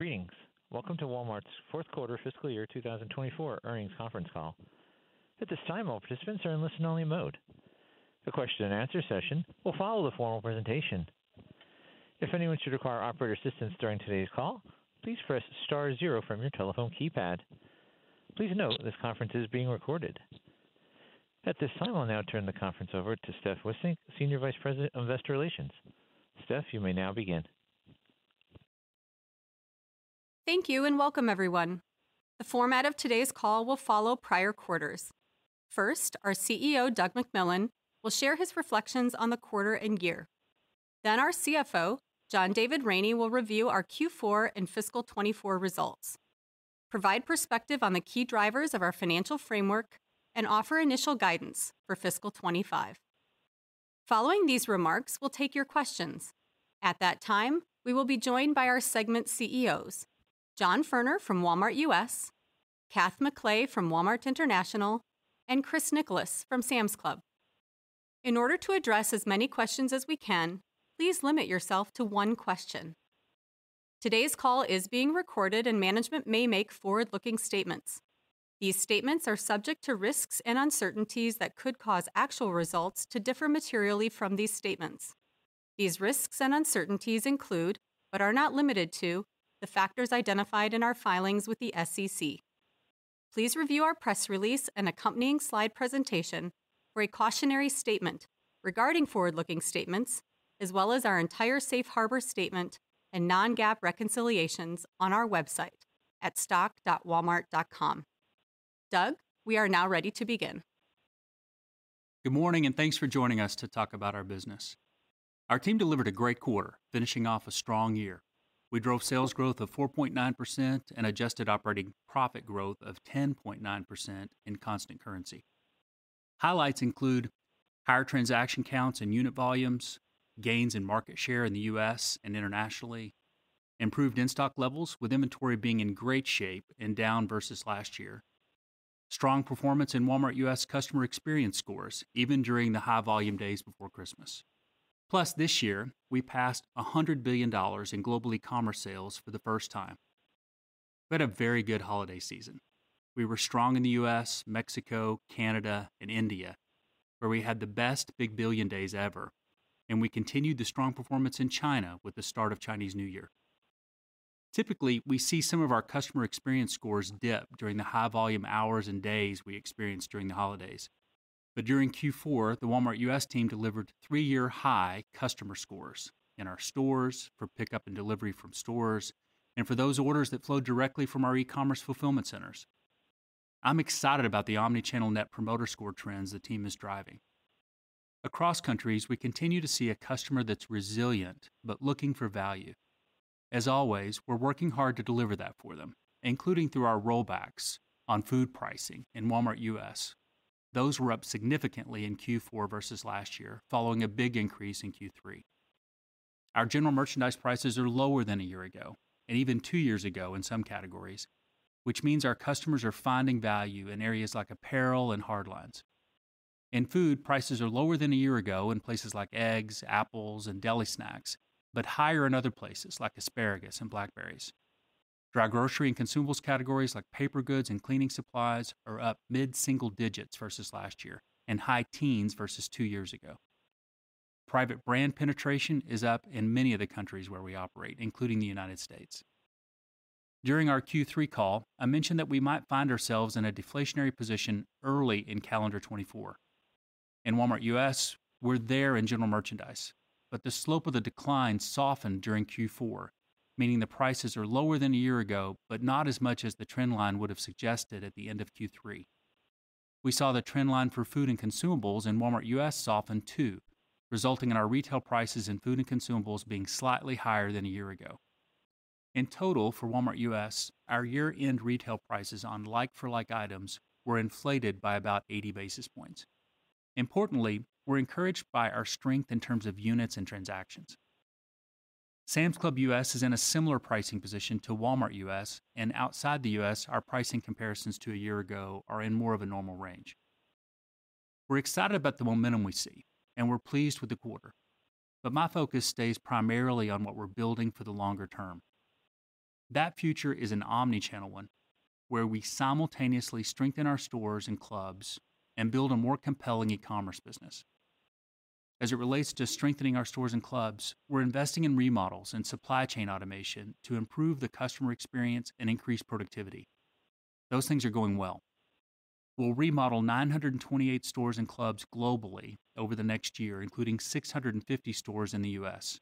Greetings. Welcome to Walmart's fourth quarter fiscal year 2024 earnings conference call. At this time, all participants are in listen-only mode. The question and answer session will follow the formal presentation. If anyone should require operator assistance during today's call, please press star zero from your telephone keypad. Please note, this conference is being recorded. At this time, I'll now turn the conference over to Steph Wissink, Senior Vice President of Investor Relations. Steph, you may now begin. Thank you, and welcome, everyone. The format of today's call will follow prior quarters. First, our CEO, Doug McMillon, will share his reflections on the quarter and year. Then our CFO, John David Rainey, will review our Q4 and fiscal 2024 results, provide perspective on the key drivers of our financial framework, and offer initial guidance for fiscal 2025. Following these remarks, we'll take your questions. At that time, we will be joined by our segment CEOs, John Furner from Walmart U.S., McLay from Walmart International, and Chris Nicholas from Sam's Club. In order to address as many questions as we can, please limit yourself to one question. Today's call is being recorded, and management may make forward-looking statements. These statements are subject to risks and uncertainties that could cause actual results to differ materially from these statements. These risks and uncertainties include, but are not limited to, the factors identified in our filings with the SEC. Please review our press release and accompanying slide presentation for a cautionary statement regarding forward-looking statements, as well as our entire safe harbor statement and non-GAAP reconciliations on our website at stock.walmart.com. Doug, we are now ready to begin. Good morning, and thanks for joining us to talk about our business. Our team delivered a great quarter, finishing off a strong year. We drove sales growth of 4.9% and adjusted operating profit growth of 10.9% in constant currency. Highlights include higher transaction counts and unit volumes, gains in market share in the U.S. and internationally, improved in-stock levels, with inventory being in great shape and down versus last year. Strong performance in Walmart U.S. customer experience scores, even during the high-volume days before Christmas. Plus, this year, we passed $100 billion in global e-commerce sales for the first time. We had a very good holiday season. We were strong in the U.S., Mexico, Canada, and India, where we had the best Big Billion Days ever, and we continued the strong performance in China with the start of Chinese New Year. Typically, we see some of our customer experience scores dip during the high-volume hours and days we experience during the holidays. But during Q4, the Walmart U.S. team delivered three-year high customer scores in our stores for pickup and delivery from stores, and for those orders that flowed directly from our e-commerce fulfillment centers. I'm excited about the Omni-channel Net Promoter Score trends the team is driving. Across countries, we continue to see a customer that's resilient but looking for value. As always, we're working hard to deliver that for them, including through our Rollbacks on food pricing in Walmart U.S. Those were up significantly in Q4 versus last year, following a big increase in Q3. Our General Merchandise prices are lower than a year ago, and even two years ago in some categories, which means our customers are finding value in areas like apparel and hard lines. In food, prices are lower than a year ago in places like eggs, apples, and deli snacks, but higher in other places, like asparagus and blackberries. Dry grocery and consumables categories like paper goods and cleaning supplies are up mid-single digits versus last year, and high teens versus two years ago. Private brand penetration is up in many of the countries where we operate, including the United States. During our Q3 call, I mentioned that we might find ourselves in a deflationary position early in calendar 2024. In Walmart U.S., we're there in General Merchandise, but the slope of the decline softened during Q4, meaning the prices are lower than a year ago, but not as much as the trend line would have suggested at the end of Q3. We saw the trend line for food and consumables in Walmart U.S. soften too, resulting in our retail prices in food and consumables being slightly higher than a year ago. In total, for Walmart U.S., our year-end retail prices on like-for-like items were inflated by about 80 basis points. Importantly, we're encouraged by our strength in terms of units and transactions. Sam's Club U.S. is in a similar pricing position to Walmart U.S., and outside the U.S., our pricing comparisons to a year ago are in more of a normal range. We're excited about the momentum we see, and we're pleased with the quarter, but my focus stays primarily on what we're building for the longer term. That future is an omni-channel one, where we simultaneously strengthen our stores and clubs and build a more compelling e-commerce business. As it relates to strengthening our stores and clubs, we're investing in remodels and supply chain automation to improve the customer experience and increase productivity. Those things are going well. We'll remodel 928 stores and clubs globally over the next year, including 650 stores in the U.S.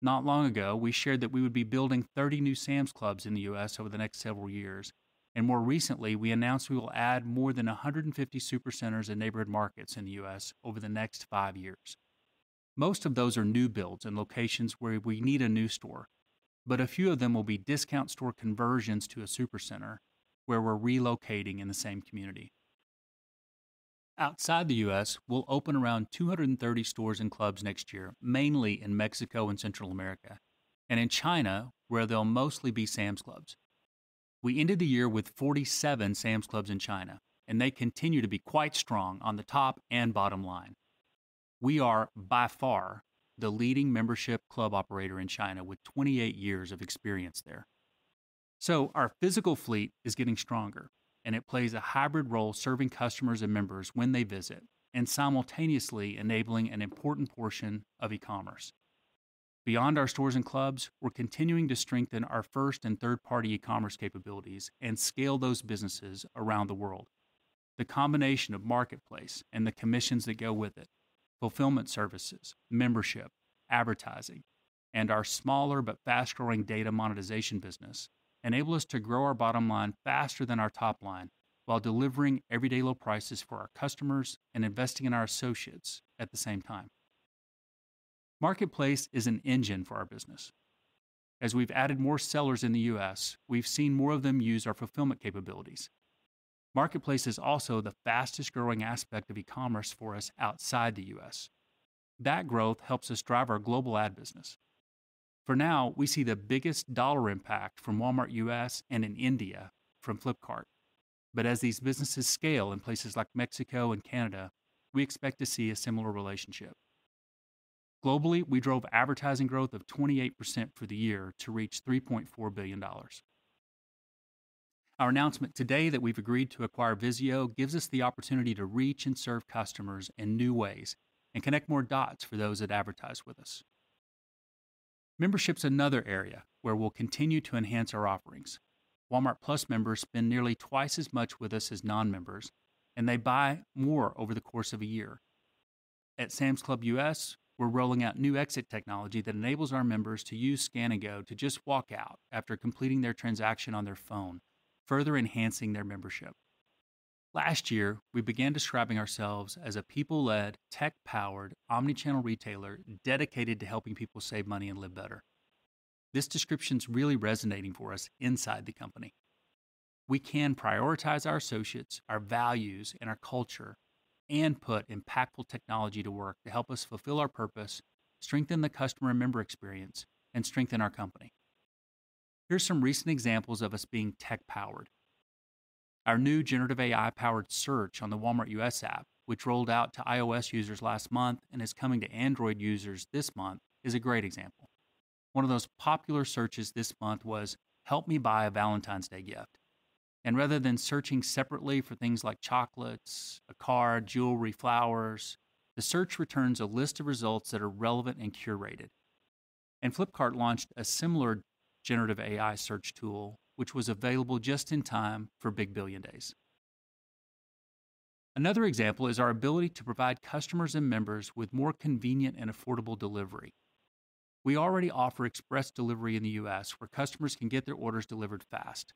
Not long ago, we shared that we would be building 30 new Sam's Clubs in the U.S. over the next several years, and more recently, we announced we will add more than 150 Supercenters and Neighborhood Markets in the U.S. over the next five years. Most of those are new builds in locations where we need a new store, but a few of them will be discount store conversions to a supercenter, where we're relocating in the same community. Outside the U.S., we'll open around 230 stores and clubs next year, mainly in Mexico and Central America, and in China, where they'll mostly be Sam's Clubs. We ended the year with 47 Sam's Clubs in China, and they continue to be quite strong on the top and bottom line. We are, by far, the leading membership club operator in China, with 28 years of experience there. So our physical fleet is getting stronger, and it plays a hybrid role, serving customers and members when they visit, and simultaneously enabling an important portion of e-commerce. Beyond our stores and clubs, we're continuing to strengthen our first and third-party e-commerce capabilities and scale those businesses around the world. The combination of Marketplace and the commissions that go with it, fulfillment services, membership, advertising, and our smaller but fast-growing data monetization business, enable us to grow our bottom line faster than our top line, while delivering every day low prices for our customers and investing in our associates at the same time. Marketplace is an engine for our business. As we've added more sellers in the U.S., we've seen more of them use our fulfillment capabilities. Marketplace is also the fastest-growing aspect of e-commerce for us outside the U.S. That growth helps us drive our global ad business. For now, we see the biggest dollar impact from Walmart U.S. and in India from Flipkart. But as these businesses scale in places like Mexico and Canada, we expect to see a similar relationship. Globally, we drove advertising growth of 28% for the year to reach $3.4 billion. Our announcement today that we've agreed to acquire VIZIO gives us the opportunity to reach and serve customers in new ways and connect more dots for those that advertise with us. Membership's another area where we'll continue to enhance our offerings. Walmart+ members spend nearly twice as much with us as non-members, and they buy more over the course of a year. At Sam's Club U.S., we're rolling out new exit technology that enables our members to use Scan & Go to just walk out after completing their transaction on their phone, further enhancing their membership. Last year, we began describing ourselves as a people-led, tech-powered, Omni-channel retailer dedicated to helping people save money and live better. This description's really resonating for us inside the company. We can prioritize our associates, our values, and our culture, and put impactful technology to work to help us fulfill our purpose, strengthen the customer and member experience, and strengthen our company. Here's some recent examples of us being tech-powered. Our new generative AI-powered search on the Walmart U.S. app, which rolled out to iOS users last month and is coming to Android users this month, is a great example. One of those popular searches this month was, "Help me buy a Valentine's Day gift." Rather than searching separately for things like chocolates, a card, jewelry, flowers, the search returns a list of results that are relevant and curated. Flipkart launched a similar generative AI search tool, which was available just in time for Big Billion Days. Another example is our ability to provide customers and members with more convenient and affordable delivery. We already offer Express Delivery in the U.S., where customers can get their orders delivered fast.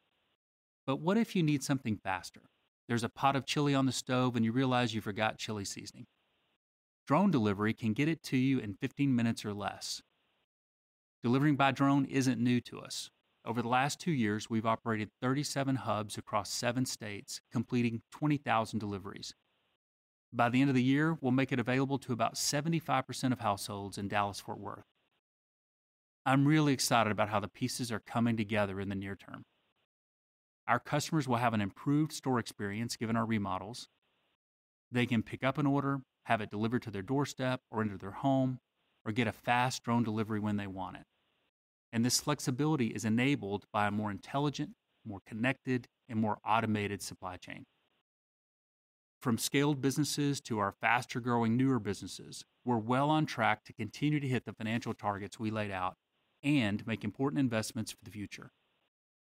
But what if you need something faster? There's a pot of chili on the stove, and you realize you forgot chili seasoning. Drone delivery can get it to you in 15 minutes or less. Delivering by drone isn't new to us. Over the last two years, we've operated 37 hubs across seven states, completing 20,000 deliveries. By the end of the year, we'll make it available to about 75% of households in Dallas-Fort Worth. I'm really excited about how the pieces are coming together in the near term. Our customers will have an improved store experience, given our remodels. They can pick up an order, have it delivered to their doorstep or into their home, or get a fast drone delivery when they want it. And this flexibility is enabled by a more intelligent, more connected, and more automated supply chain. From scaled businesses to our faster-growing, newer businesses, we're well on track to continue to hit the financial targets we laid out and make important investments for the future.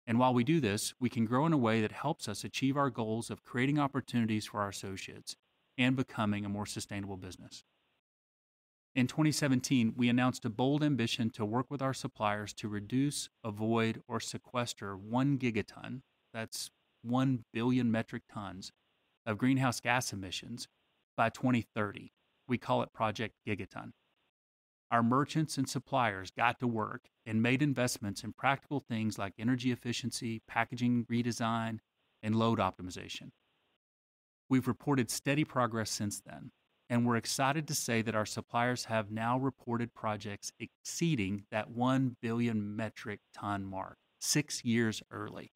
And while we do this, we can grow in a way that helps us achieve our goals of creating opportunities for our associates and becoming a more sustainable business. In 2017, we announced a bold ambition to work with our suppliers to reduce, avoid, or sequester 1 gigaton, that's 1 billion metric tons, of greenhouse gas emissions by 2030. We call it Project Gigaton. Our merchants and suppliers got to work and made investments in practical things like energy efficiency, packaging redesign, and load optimization. We've reported steady progress since then, and we're excited to say that our suppliers have now reported projects exceeding that 1 billion metric ton mark, 6 years early.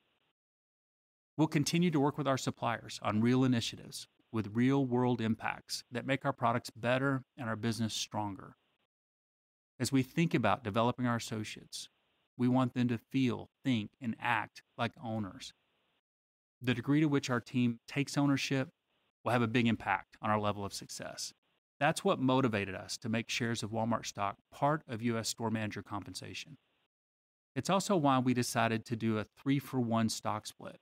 We'll continue to work with our suppliers on real initiatives, with real-world impacts that make our products better and our business stronger. As we think about developing our associates, we want them to feel, think, and act like owners. The degree to which our team takes ownership will have a big impact on our level of success. That's what motivated us to make shares of Walmart stock part of U.S. store manager compensation. It's also why we decided to do a 3-for-1 stock split.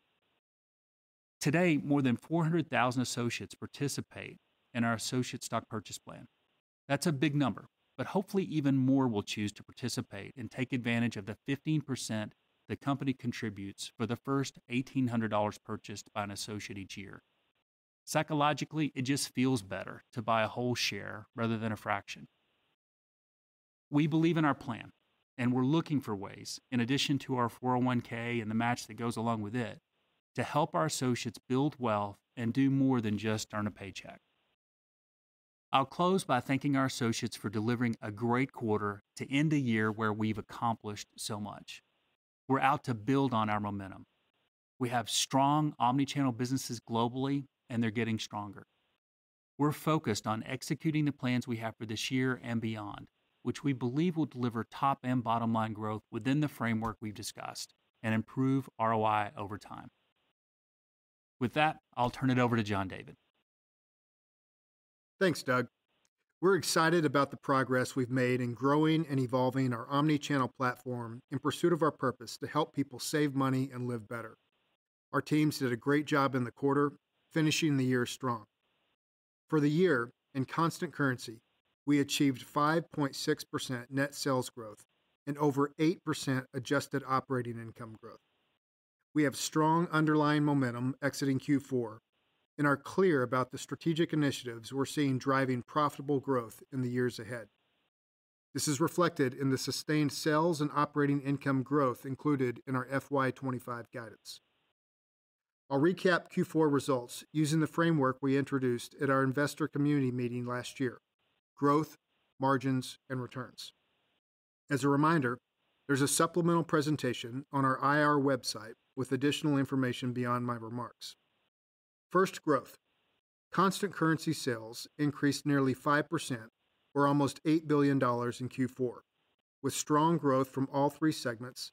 Today, more than 400,000 associates participate in our Associate Stock Purchase Plan. That's a big number, but hopefully, even more will choose to participate and take advantage of the 15% the company contributes for the first $1,800 purchased by an associate each year. Psychologically, it just feels better to buy a whole share rather than a fraction. We believe in our plan, and we're looking for ways, in addition to our 401(k) and the match that goes along with it, to help our associates build wealth and do more than just earn a paycheck. I'll close by thanking our associates for delivering a great quarter to end a year where we've accomplished so much. We're out to build on our momentum... We have strong Omni-channel businesses globally, and they're getting stronger. We're focused on executing the plans we have for this year and beyond, which we believe will deliver top and bottom line growth within the framework we've discussed and improve ROI over time. With that, I'll turn it over to John David. Thanks, Doug. We're excited about the progress we've made in growing and evolving our Omni-channel platform in pursuit of our purpose to help people save money and live better. Our teams did a great job in the quarter, finishing the year strong. For the year, in constant currency, we achieved 5.6% net sales growth and over 8% adjusted operating income growth. We have strong underlying momentum exiting Q4 and are clear about the strategic initiatives we're seeing driving profitable growth in the years ahead. This is reflected in the sustained sales and operating income growth included in our FY 2025 guidance. I'll recap Q4 results using the framework we introduced at our investor community meeting last year: growth, margins, and returns. As a reminder, there's a supplemental presentation on our IR website with additional information beyond my remarks. First, growth. Constant currency sales increased nearly 5% or almost $8 billion in Q4, with strong growth from all three segments,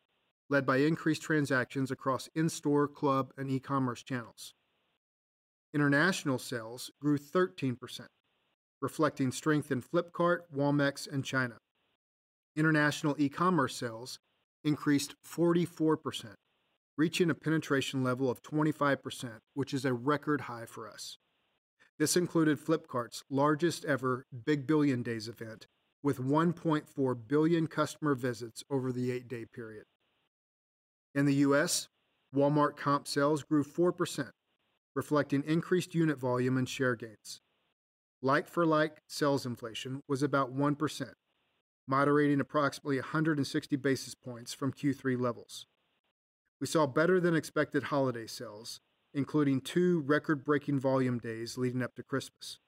led by increased transactions across in-store, club, and e-commerce channels. International sales grew 13%, reflecting strength in Flipkart, Walmex, and China. International e-commerce sales increased 44%, reaching a penetration level of 25%, which is a record high for us. This included Flipkart's largest-ever Big Billion Days event, with 1.4 billion customer visits over the eight-day period. In the U.S., Walmart comp sales grew 4%, reflecting increased unit volume and share gains. Like-for-like sales inflation was about 1%, moderating approximately 160 basis points from Q3 levels. We saw better-than-expected holiday sales, including 2 record-breaking volume days leading up to Christmas.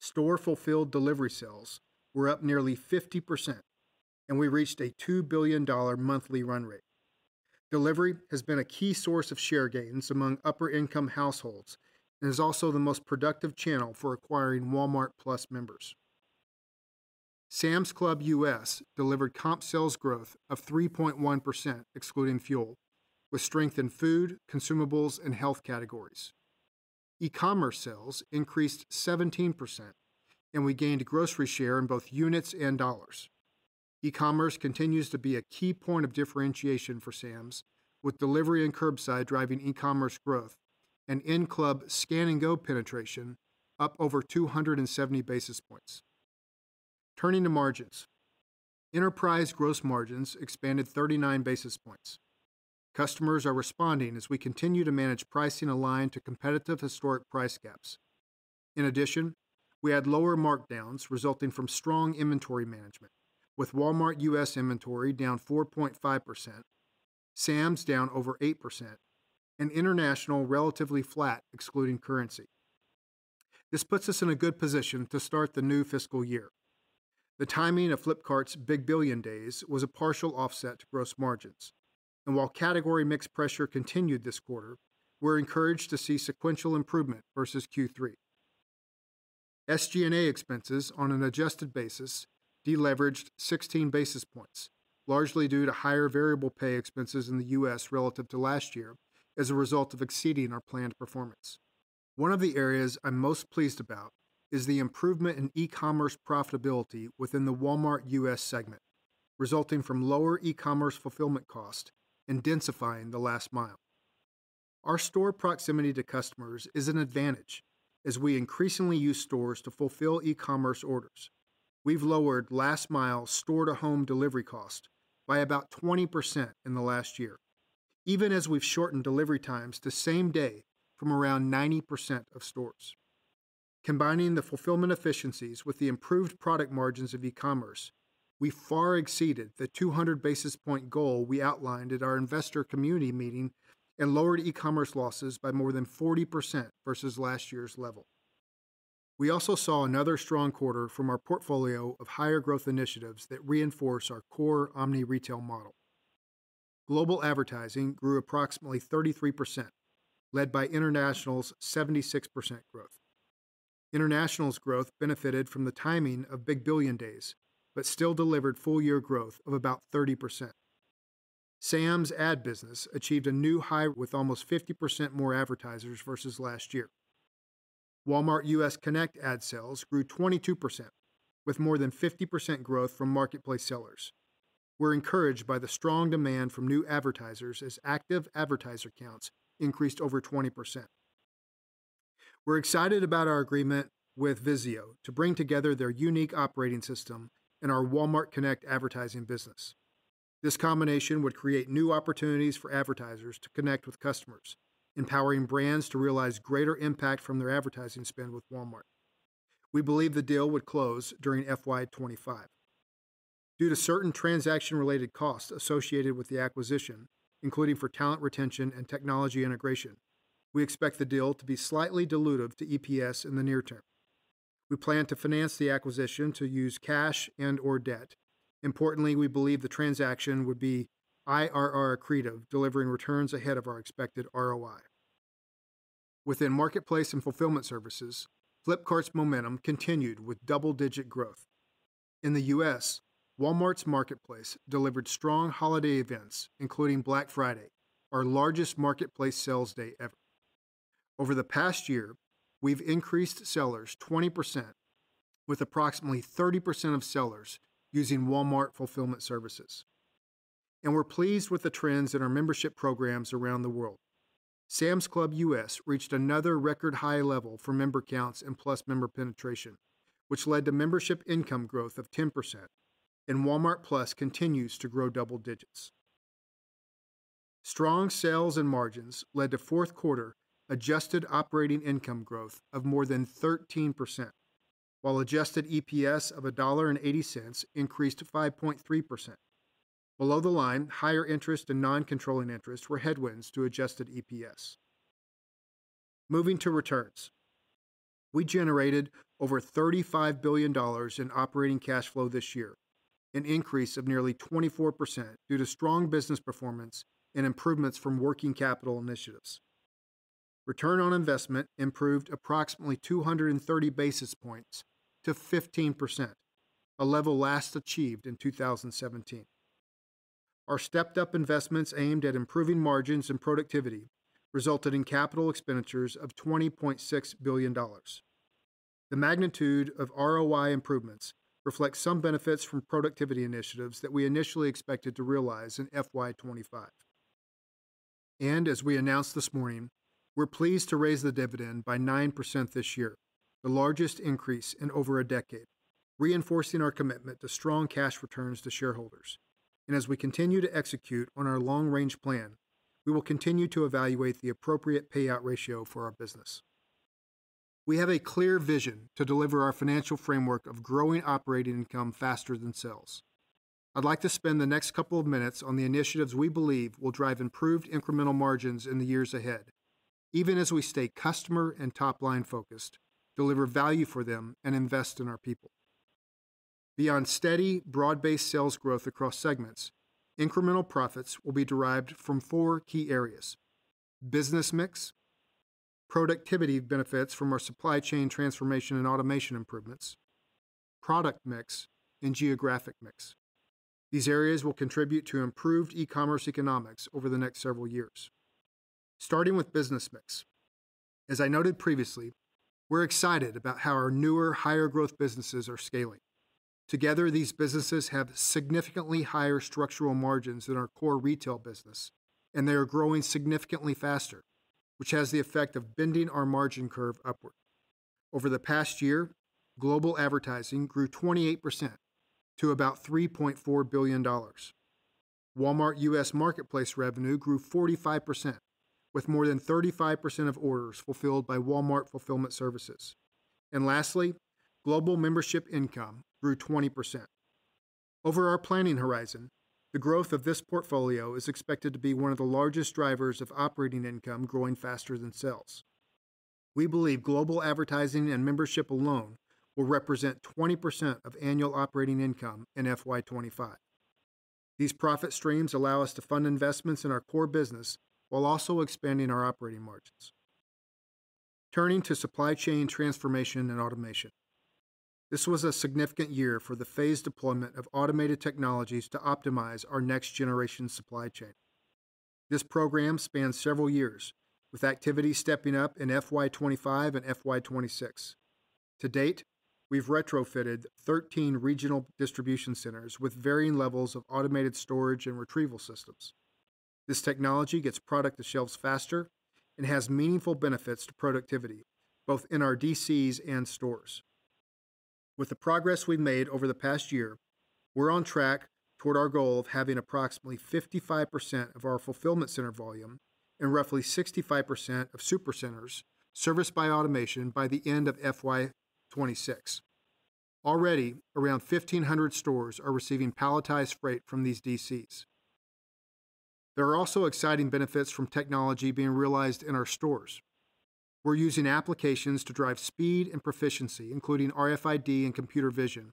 Store-fulfilled delivery sales were up nearly 50%, and we reached a $2 billion monthly run rate. Delivery has been a key source of share gains among upper-income households and is also the most productive channel for acquiring Walmart+ members. Sam's Club U.S. delivered comp sales growth of 3.1%, excluding fuel, with strength in food, consumables, and health categories. E-commerce sales increased 17%, and we gained grocery share in both units and dollars. E-commerce continues to be a key point of differentiation for Sam's, with delivery and curbside driving e-commerce growth and in-club Scan & Go penetration up over 270 basis points. Turning to margins. Enterprise gross margins expanded 39 basis points. Customers are responding as we continue to manage pricing aligned to competitive historic price gaps. In addition, we had lower markdowns resulting from strong inventory management, with Walmart U.S. inventory down 4.5%, Sam's down over 8%, and International relatively flat, excluding currency. This puts us in a good position to start the new fiscal year. The timing of Flipkart's Big Billion Days was a partial offset to gross margins, and while category mix pressure continued this quarter, we're encouraged to see sequential improvement versus Q3. SG&A expenses on an adjusted basis deleveraged 16 basis points, largely due to higher variable pay expenses in the U.S. relative to last year as a result of exceeding our planned performance. One of the areas I'm most pleased about is the improvement in e-commerce profitability within the Walmart U.S. segment, resulting from lower e-commerce fulfillment cost and densifying the last mile. Our store proximity to customers is an advantage as we increasingly use stores to fulfill e-commerce orders. We've lowered last mile store-to-home delivery cost by about 20% in the last year, even as we've shortened delivery times to same day from around 90% of stores. Combining the fulfillment efficiencies with the improved product margins of e-commerce, we far exceeded the 200 basis points goal we outlined at our investor community meeting and lowered e-commerce losses by more than 40% versus last year's level. We also saw another strong quarter from our portfolio of higher growth initiatives that reinforce our core omni-retail model. Global advertising grew approximately 33%, led by International's 76% growth. International's growth benefited from the timing of Big Billion Days, but still delivered full-year growth of about 30%. Sam's ad business achieved a new high with almost 50% more advertisers versus last year. Walmart Connect ad sales grew 22%, with more than 50% growth from marketplace sellers. We're encouraged by the strong demand from new advertisers as active advertiser counts increased over 20%. We're excited about our agreement with VIZIO to bring together their unique operating system and our Walmart Connect advertising business. This combination would create new opportunities for advertisers to connect with customers, empowering brands to realize greater impact from their advertising spend with Walmart. We believe the deal would close during FY 2025. Due to certain transaction-related costs associated with the acquisition, including for talent retention and technology integration, we expect the deal to be slightly dilutive to EPS in the near term. We plan to finance the acquisition to use cash and or debt. Importantly, we believe the transaction would be IRR accretive, delivering returns ahead of our expected ROI. Within Marketplace and Fulfillment Services, Flipkart's momentum continued with double-digit growth. In the U.S., Walmart's Marketplace delivered strong holiday events, including Black Friday, our largest Marketplace sales day ever. Over the past year, we've increased sellers 20%, with approximately 30% of sellers using Walmart Fulfillment Services. And we're pleased with the trends in our membership programs around the world. Sam's Club U.S. reached another record high level for member counts and plus member penetration, which led to membership income growth of 10%, and Walmart+ continues to grow double digits. Strong sales and margins led to fourth quarter adjusted operating income growth of more than 13%, while adjusted EPS of $1.80 increased 5.3%. Below the line, higher interest and non-controlling interests were headwinds to adjusted EPS. Moving to returns. We generated over $35 billion in operating cash flow this year, an increase of nearly 24% due to strong business performance and improvements from working capital initiatives. Return on investment improved approximately 230 basis points to 15%, a level last achieved in 2017. Our stepped-up investments aimed at improving margins and productivity resulted in capital expenditures of $20.6 billion. The magnitude of ROI improvements reflects some benefits from productivity initiatives that we initially expected to realize in FY 2025. And as we announced this morning, we're pleased to raise the dividend by 9% this year, the largest increase in over a decade, reinforcing our commitment to strong cash returns to shareholders. And as we continue to execute on our long-range plan, we will continue to evaluate the appropriate payout ratio for our business. We have a clear vision to deliver our financial framework of growing operating income faster than sales. I'd like to spend the next couple of minutes on the initiatives we believe will drive improved incremental margins in the years ahead, even as we stay customer and top-line focused, deliver value for them, and invest in our people. Beyond steady, broad-based sales growth across segments, incremental profits will be derived from four key areas: business mix, productivity benefits from our supply chain transformation and automation improvements, product mix, and geographic mix. These areas will contribute to improved e-commerce economics over the next several years. Starting with business mix. As I noted previously, we're excited about how our newer, higher growth businesses are scaling. Together, these businesses have significantly higher structural margins than our core retail business, and they are growing significantly faster, which has the effect of bending our margin curve upward. Over the past year, global advertising grew 28% to about $3.4 billion. Walmart U.S. Marketplace revenue grew 45%, with more than 35% of orders fulfilled by Walmart Fulfillment Services. And lastly, global membership income grew 20%. Over our planning horizon, the growth of this portfolio is expected to be one of the largest drivers of operating income growing faster than sales. We believe global advertising and membership alone will represent 20% of annual operating income in FY 2025. These profit streams allow us to fund investments in our core business while also expanding our operating margins. Turning to supply chain transformation and automation. This was a significant year for the phased deployment of automated technologies to optimize our next-generation supply chain. This program spans several years, with activity stepping up in FY 2025 and FY 2026. To date, we've retrofitted 13 regional distribution centers with varying levels of automated storage and retrieval systems. This technology gets product to shelves faster and has meaningful benefits to productivity, both in our DCs and stores. With the progress we've made over the past year, we're on track toward our goal of having approximately 55% of our fulfillment center volume and roughly 65% of Supercentersserviced by automation by the end of FY 2026. Already, around 1,500 stores are receiving palletized freight from these DCs. There are also exciting benefits from technology being realized in our stores. We're using applications to drive speed and proficiency, including RFID and computer vision,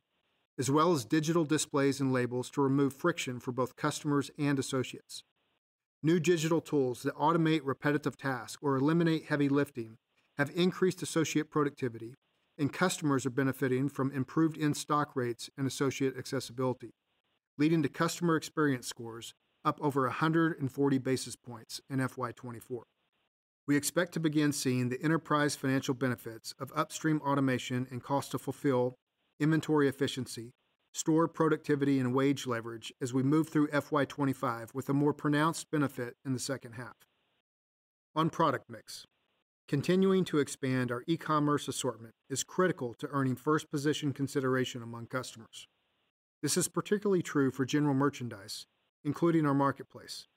as well as digital displays and labels to remove friction for both customers and associates. New digital tools that automate repetitive tasks or eliminate heavy lifting have increased associate productivity, and customers are benefiting from improved in-stock rates and associate accessibility, leading to customer experience scores up over 140 basis points in FY 2024. We expect to begin seeing the enterprise financial benefits of upstream automation and cost to fulfill, inventory efficiency, store productivity, and wage leverage as we move through FY 2025, with a more pronounced benefit in the second half. On product mix, continuing to expand our e-commerce assortment is critical to earning first position consideration among customers. This is particularly true for General Merchandise, including our marketplace.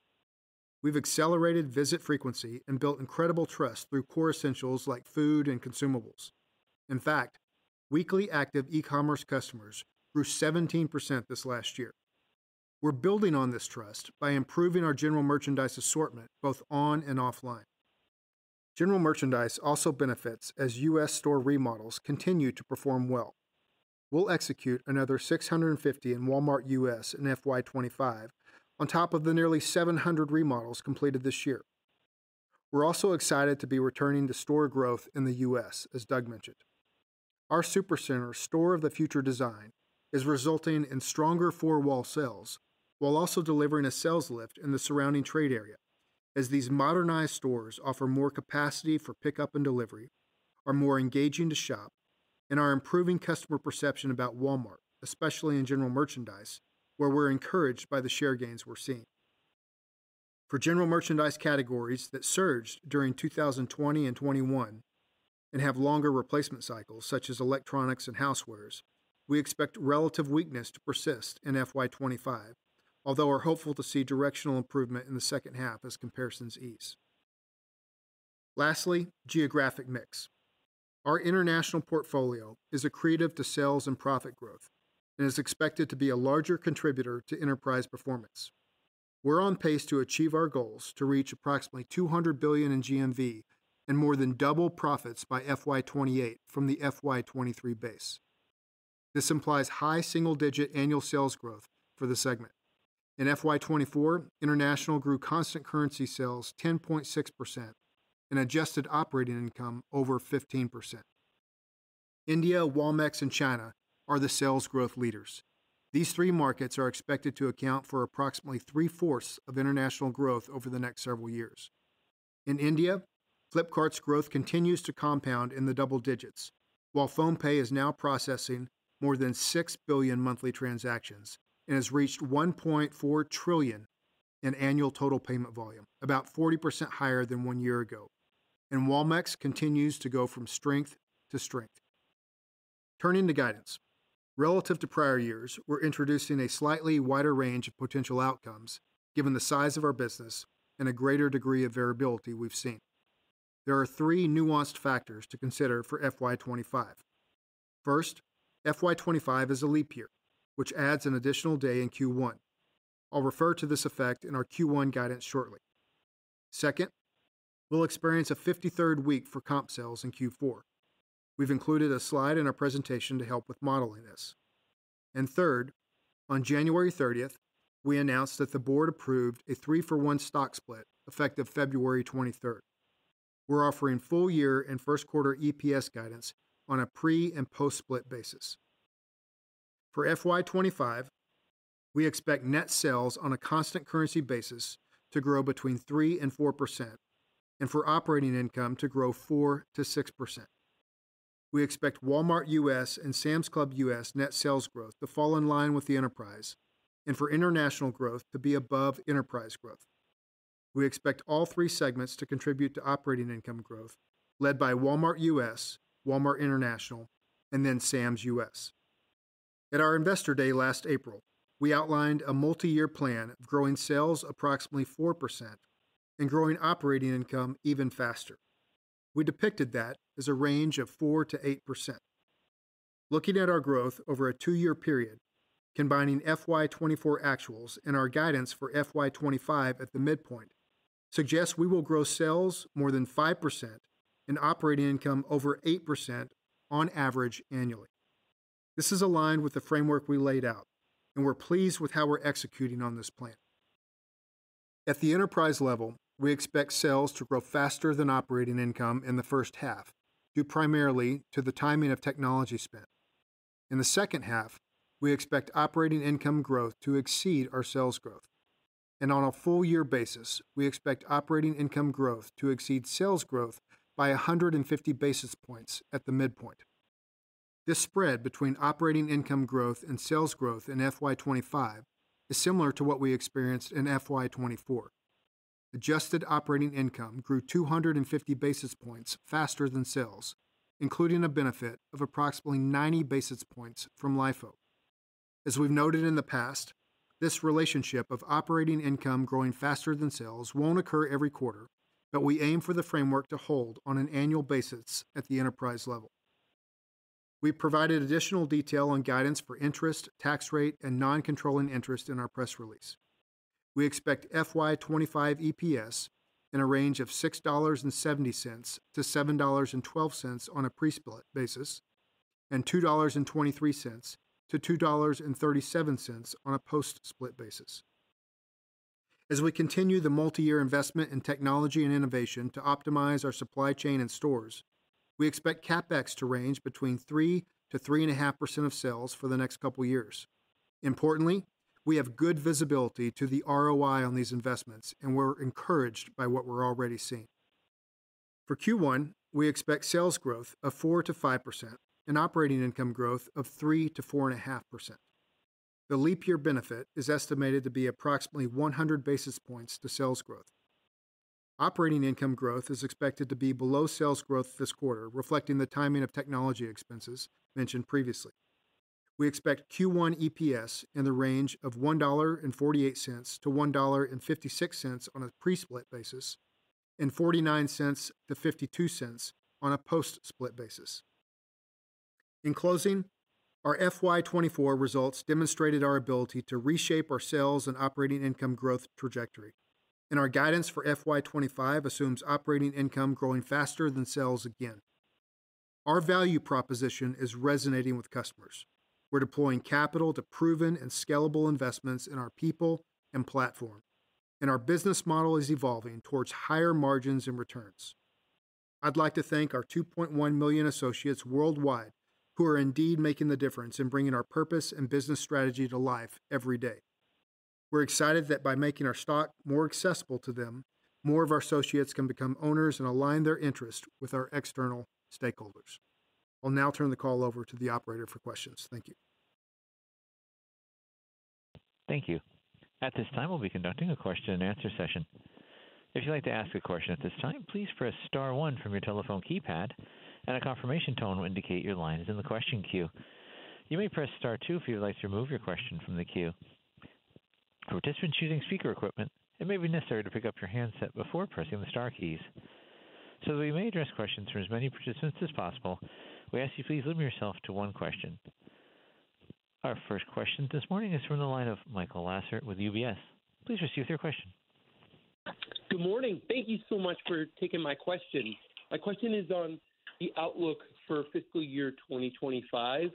We've accelerated visit frequency and built incredible trust through core essentials like food and consumables. In fact, weekly active e-commerce customers grew 17% this last year. We're building on this trust by improving our General Merchandise assortment, both on and offline. General Merchandise also benefits as U.S. store remodels continue to perform well. We'll execute another 650 in Walmart U.S. in FY 2025, on top of the nearly 700 remodels completed this year. We're also excited to be returning to store growth in the U.S., as Doug mentioned. Our Supercenter Store of the Future design is resulting in stronger four-wall sales, while also delivering a sales lift in the surrounding trade area, as these modernized stores offer more capacity for pickup and delivery, are more engaging to shop, and are improving customer perception about Walmart, especially in General Merchandise, where we're encouraged by the share gains we're seeing. For General Merchandise categories that surged during 2020 and 2021, and have longer replacement cycles, such as electronics and housewares, we expect relative weakness to persist in FY 2025, although we're hopeful to see directional improvement in the second half as comparisons ease. Lastly, geographic mix. Our international portfolio is accretive to sales and profit growth and is expected to be a larger contributor to enterprise performance. We're on pace to achieve our goals to reach approximately $200 billion in GMV and more than double profits by FY 2028 from the FY 2023 base. This implies high single-digit annual sales growth for the segment. In FY 2024, international grew constant currency sales 10.6% and adjusted operating income over 15%. India, Walmex, and China are the sales growth leaders. These three markets are expected to account for approximately 3/4 of international growth over the next several years. In India, Flipkart's growth continues to compound in the double digits, while PhonePe is now processing more than 6 billion monthly transactions and has reached $1.4 trillion in annual total payment volume, about 40% higher than one year ago. Walmex continues to go from strength to strength. Turning to guidance. Relative to prior years, we're introducing a slightly wider range of potential outcomes, given the size of our business and a greater degree of variability we've seen. There are three nuanced factors to consider for FY 2025. First, FY 2025 is a leap year, which adds an additional day in Q1. I'll refer to this effect in our Q1 guidance shortly. Second, we'll experience a 53rd week for comp sales in Q4. We've included a slide in our presentation to help with modeling this. And third, on January 30, we announced that the board approved a 3-for-1 stock split, effective February 23. We're offering full-year and first quarter EPS guidance on a pre- and post-split basis. For FY 2025, we expect net sales on a constant currency basis to grow between 3% and 4%, and for operating income to grow 4%-6%. We expect Walmart U.S. and Sam's Club U.S. net sales growth to fall in line with the enterprise, and for international growth to be above enterprise growth. We expect all three segments to contribute to operating income growth, led by Walmart U.S., Walmart International, and then Sam's U.S. At our Investor Day last April, we outlined a multi-year plan of growing sales approximately 4% and growing operating income even faster. We depicted that as a range of 4%-8%. Looking at our growth over a two-year period, combining FY 2024 actuals and our guidance for FY 2025 at the midpoint, suggests we will grow sales more than 5% and operating income over 8% on average annually. This is aligned with the framework we laid out, and we're pleased with how we're executing on this plan. At the enterprise level, we expect sales to grow faster than operating income in the first half, due primarily to the timing of technology spend. In the second half, we expect operating income growth to exceed our sales growth. On a full year basis, we expect operating income growth to exceed sales growth by 150 basis points at the midpoint. This spread between operating income growth and sales growth in FY 2025 is similar to what we experienced in FY 2024. Adjusted operating income grew 250 basis points faster than sales, including a benefit of approximately 90 basis points from LIFO. As we've noted in the past, this relationship of operating income growing faster than sales won't occur every quarter, but we aim for the framework to hold on an annual basis at the enterprise level. We provided additional detail on guidance for interest, tax rate, and non-controlling interest in our press release. We expect FY 2025 EPS in a range of $6.70-$7.12 on a pre-split basis and $2.23-$2.37 on a post-split basis. As we continue the multi-year investment in technology and innovation to optimize our supply chain and stores, we expect CapEx to range between 3%-3.5% of sales for the next couple of years. Importantly, we have good visibility to the ROI on these investments, and we're encouraged by what we're already seeing. For Q1, we expect sales growth of 4%-5% and operating income growth of 3%-4.5%. The leap year benefit is estimated to be approximately 100 basis points to sales growth. Operating income growth is expected to be below sales growth this quarter, reflecting the timing of technology expenses mentioned previously. We expect Q1 EPS in the range of $1.48-$1.56 on a pre-split basis and $0.49-$0.52 on a post-split basis.... In closing, our FY 2024 results demonstrated our ability to reshape our sales and operating income growth trajectory, and our guidance for FY 2025 assumes operating income growing faster than sales again. Our value proposition is resonating with customers. We're deploying capital to proven and scalable investments in our people and platform, and our business model is evolving towards higher margins and returns. I'd like to thank our 2.1 million associates worldwide, who are indeed making the difference in bringing our purpose and business strategy to life every day. We're excited that by making our stock more accessible to them, more of our associates can become owners and align their interests with our external stakeholders. I'll now turn the call over to the operator for questions. Thank you. Thank you. At this time, we'll be conducting a question-and-answer session. If you'd like to ask a question at this time, please press star one from your telephone keypad, and a confirmation tone will indicate your line is in the question queue. You may press star two if you'd like to remove your question from the queue. For participants using speaker equipment, it may be necessary to pick up your handset before pressing the star keys. So that we may address questions from as many participants as possible, we ask you please limit yourself to one question. Our first question this morning is from the line of Michael Lasser with UBS. Please proceed with your question. Good morning. Thank you so much for taking my question. My question is on the outlook for fiscal year 2025.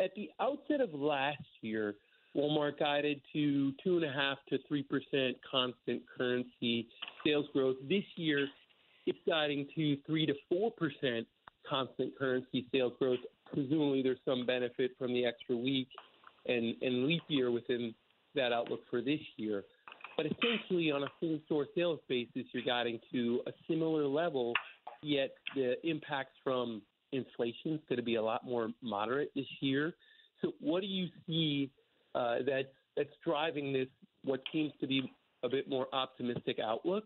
At the outset of last year, Walmart guided to 2.5%-3% constant currency sales growth. This year, it's guiding to 3%-4% constant currency sales growth. Presumably, there's some benefit from the extra week and leap year within that outlook for this year. But essentially, on a same-store sales basis, you're guiding to a similar level, yet the impact from inflation is gonna be a lot more moderate this year. So what do you see, that's driving this, what seems to be a bit more optimistic outlook?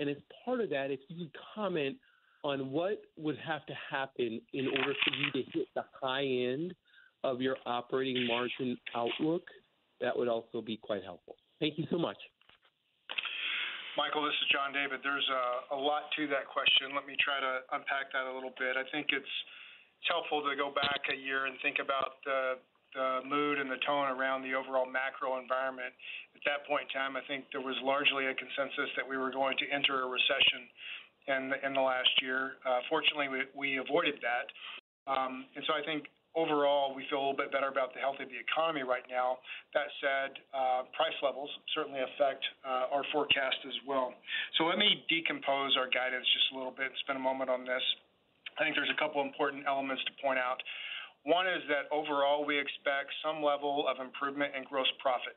As part of that, if you could comment on what would have to happen in order for you to hit the high end of your operating margin outlook, that would also be quite helpful. Thank you so much. Michael, this is John David. There's a lot to that question. Let me try to unpack that a little bit. I think it's helpful to go back a year and think about the mood and the tone around the overall macro environment. At that point in time, I think there was largely a consensus that we were going to enter a recession in the last year. Fortunately, we avoided that. And so I think overall, we feel a little bit better about the health of the economy right now. That said, price levels certainly affect our forecast as well. So let me decompose our guidance just a little bit and spend a moment on this. I think there's a couple important elements to point out. One is that overall, we expect some level of improvement in gross profit,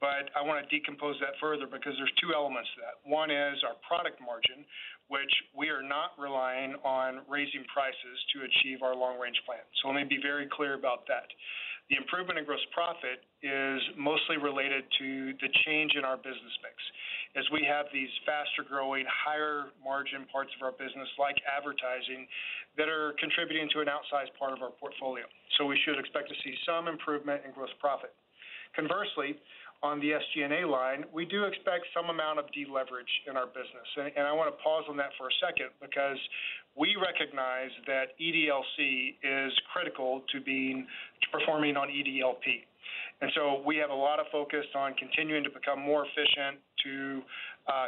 but I want to decompose that further because there's two elements to that. One is our product margin, which we are not relying on raising prices to achieve our long-range plan. So let me be very clear about that. The improvement in gross profit is mostly related to the change in our business mix, as we have these faster-growing, higher-margin parts of our business, like advertising, that are contributing to an outsized part of our portfolio. So we should expect to see some improvement in gross profit. Conversely, on the SG&A line, we do expect some amount of deleverage in our business. And I want to pause on that for a second because we recognize that EDLC is critical to being, to performing on EDLP. And so we have a lot of focus on continuing to become more efficient, to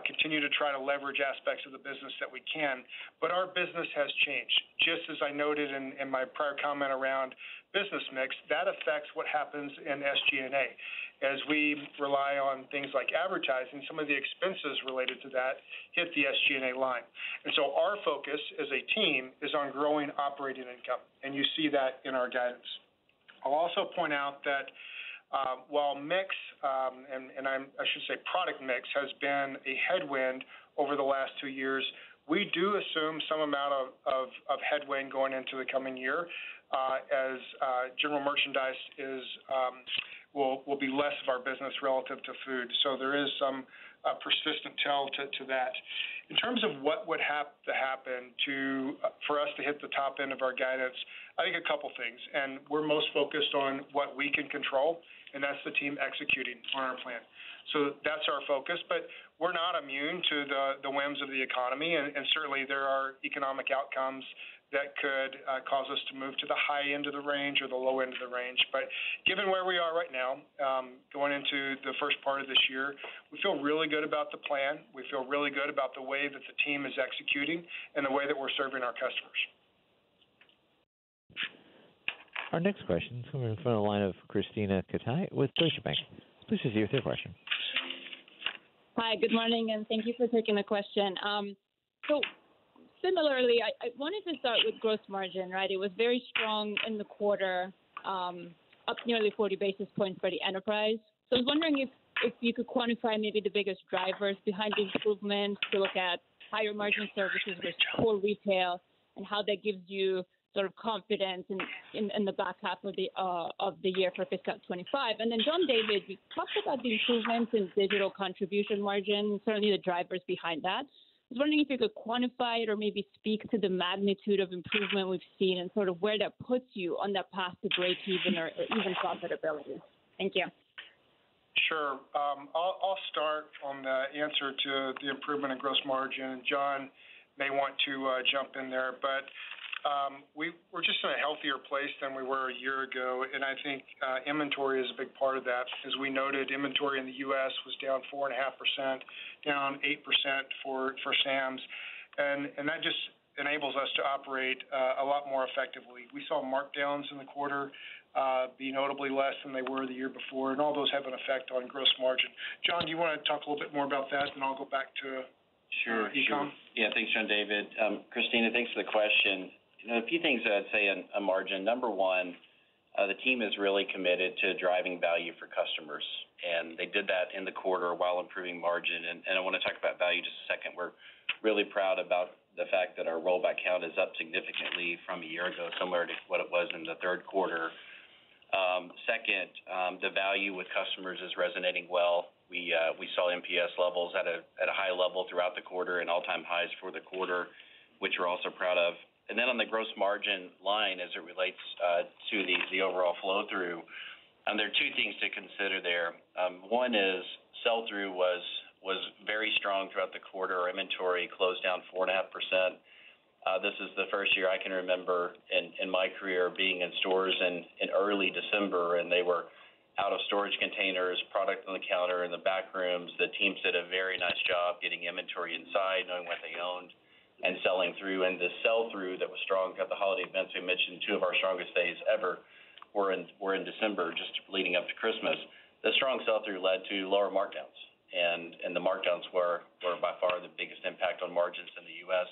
continue to try to leverage aspects of the business that we can. But our business has changed. Just as I noted in my prior comment around business mix, that affects what happens in SG&A. As we rely on things like advertising, some of the expenses related to that hit the SG&A line. And so our focus as a team is on growing operating income, and you see that in our guidance. I'll also point out that while mix, I should say product mix, has been a headwind over the last two years, we do assume some amount of headwind going into the coming year, as General Merchandise will be less of our business relative to food. So there is some persistent tail to that. In terms of what would have to happen for us to hit the top end of our guidance, I think a couple things, and we're most focused on what we can control, and that's the team executing on our plan. So that's our focus, but we're not immune to the whims of the economy, and certainly, there are economic outcomes that could cause us to move to the high end of the range or the low end of the range. But given where we are right now, going into the first part of this year, we feel really good about the plan. We feel really good about the way that the team is executing and the way that we're serving our customers. Our next question is coming in from the line of Krisztina Katai with Deutsche Bank. Please proceed with your question. Hi, good morning, and thank you for taking the question. So similarly, I wanted to start with gross margin, right? It was very strong in the quarter, up nearly 40 basis points for the enterprise. So I was wondering if you could quantify maybe the biggest drivers behind the improvement to look at higher-margin services with core retail and how that gives you sort of confidence in the back half of the year for fiscal 2025. And then, John David, you talked about the improvements in digital contribution margin, certainly the drivers behind that. I was wondering if you could quantify it or maybe speak to the magnitude of improvement we've seen and sort of where that puts you on that path to breakeven or even profitability. Thank you.... Sure. I'll start on the answer to the improvement in gross margin. John may want to jump in there, but we're just in a healthier place than we were a year ago, and I think inventory is a big part of that. As we noted, inventory in the U.S. was down 4.5%, down 8% for Sam's, and that just enables us to operate a lot more effectively. We saw markdowns in the quarter be notably less than they were the year before, and all those have an effect on gross margin. John, do you wanna talk a little bit more about that, and I'll go back to- Sure e-com? Sure. Yeah, thanks, John David. Krisztina, thanks for the question. You know, a few things I'd say on margin. Number one, the team is really committed to driving value for customers, and they did that in the quarter while improving margin. And I wanna talk about value just a second. We're really proud about the fact that our rollback count is up significantly from a year ago, similar to what it was in the third quarter. Second, the value with customers is resonating well. We saw NPS levels at a high level throughout the quarter and all-time highs for the quarter, which we're also proud of. And then on the gross margin line, as it relates to the overall flow through, and there are two things to consider there. One is, sell-through was very strong throughout the quarter. Our inventory closed down 4.5%. This is the first year I can remember in my career being in stores in early December, and they were out of storage containers, product on the counter, in the back rooms. The teams did a very nice job getting inventory inside, knowing what they owned and selling through. And the sell-through that was strong at the holiday events, we mentioned two of our strongest days ever were in December, just leading up to Christmas. The strong sell-through led to lower markdowns, and the markdowns were by far the biggest impact on margins in the U.S.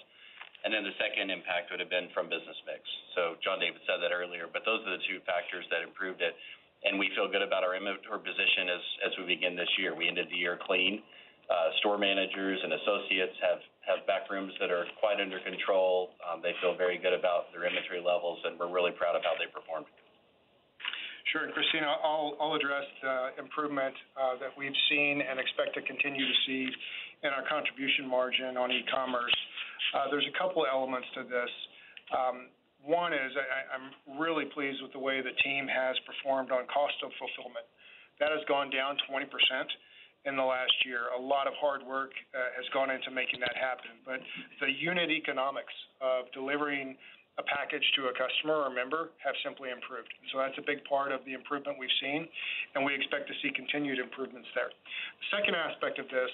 And then the second impact would have been from business mix. So John David said that earlier, but those are the two factors that improved it, and we feel good about our inventory position as we begin this year. We ended the year clean. Store managers and associates have back rooms that are quite under control. They feel very good about their inventory levels, and we're really proud of how they performed. Sure. And Krisztina, I'll address the improvement that we've seen and expect to continue to see in our contribution margin on e-commerce. There's a couple elements to this. One is, I'm really pleased with the way the team has performed on cost of fulfillment. That has gone down 20% in the last year. A lot of hard work has gone into making that happen, but the unit economics of delivering a package to a customer or member have simply improved. So that's a big part of the improvement we've seen, and we expect to see continued improvements there. The second aspect of this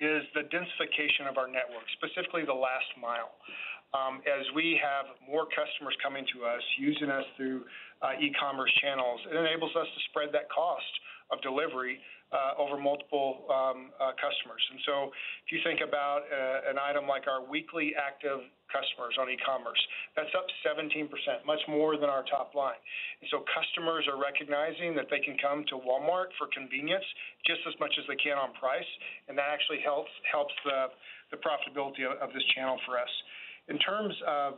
is the densification of our network, specifically the last mile. As we have more customers coming to us, using us through e-commerce channels, it enables us to spread that cost of delivery over multiple customers. And so if you think about an item like our weekly active customers on e-commerce, that's up 17%, much more than our top line. And so customers are recognizing that they can come to Walmart for convenience just as much as they can on price, and that actually helps the profitability of this channel for us. In terms of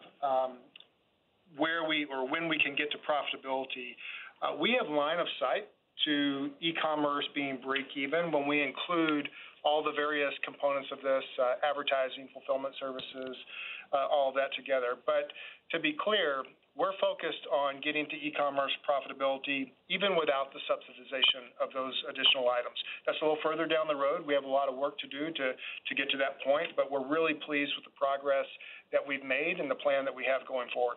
where we or when we can get to profitability, we have line of sight to e-commerce being break even when we include all the various components of this, advertising, fulfillment services, all of that together. But to be clear, we're focused on getting to e-commerce profitability, even without the subsidization of those additional items. That's a little further down the road. We have a lot of work to do to get to that point, but we're really pleased with the progress that we've made and the plan that we have going forward.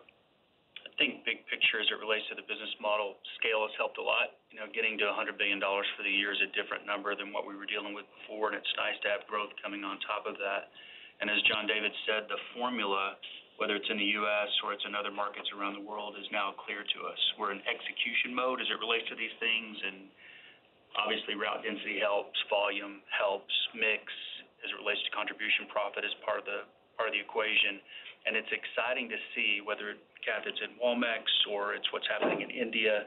I think big picture, as it relates to the business model, scale has helped a lot. You know, getting to $100 billion for the year is a different number than what we were dealing with before, and it's nice to have growth coming on top of that. And as John David said, the formula, whether it's in the U.S. or it's in other markets around the world, is now clear to us. We're in execution mode as it relates to these things, and obviously, route density helps, volume helps, mix as it relates to contribution profit is part of the, part of the equation. It's exciting to see whether, Kath, it's at Walmex or it's what's happening in India,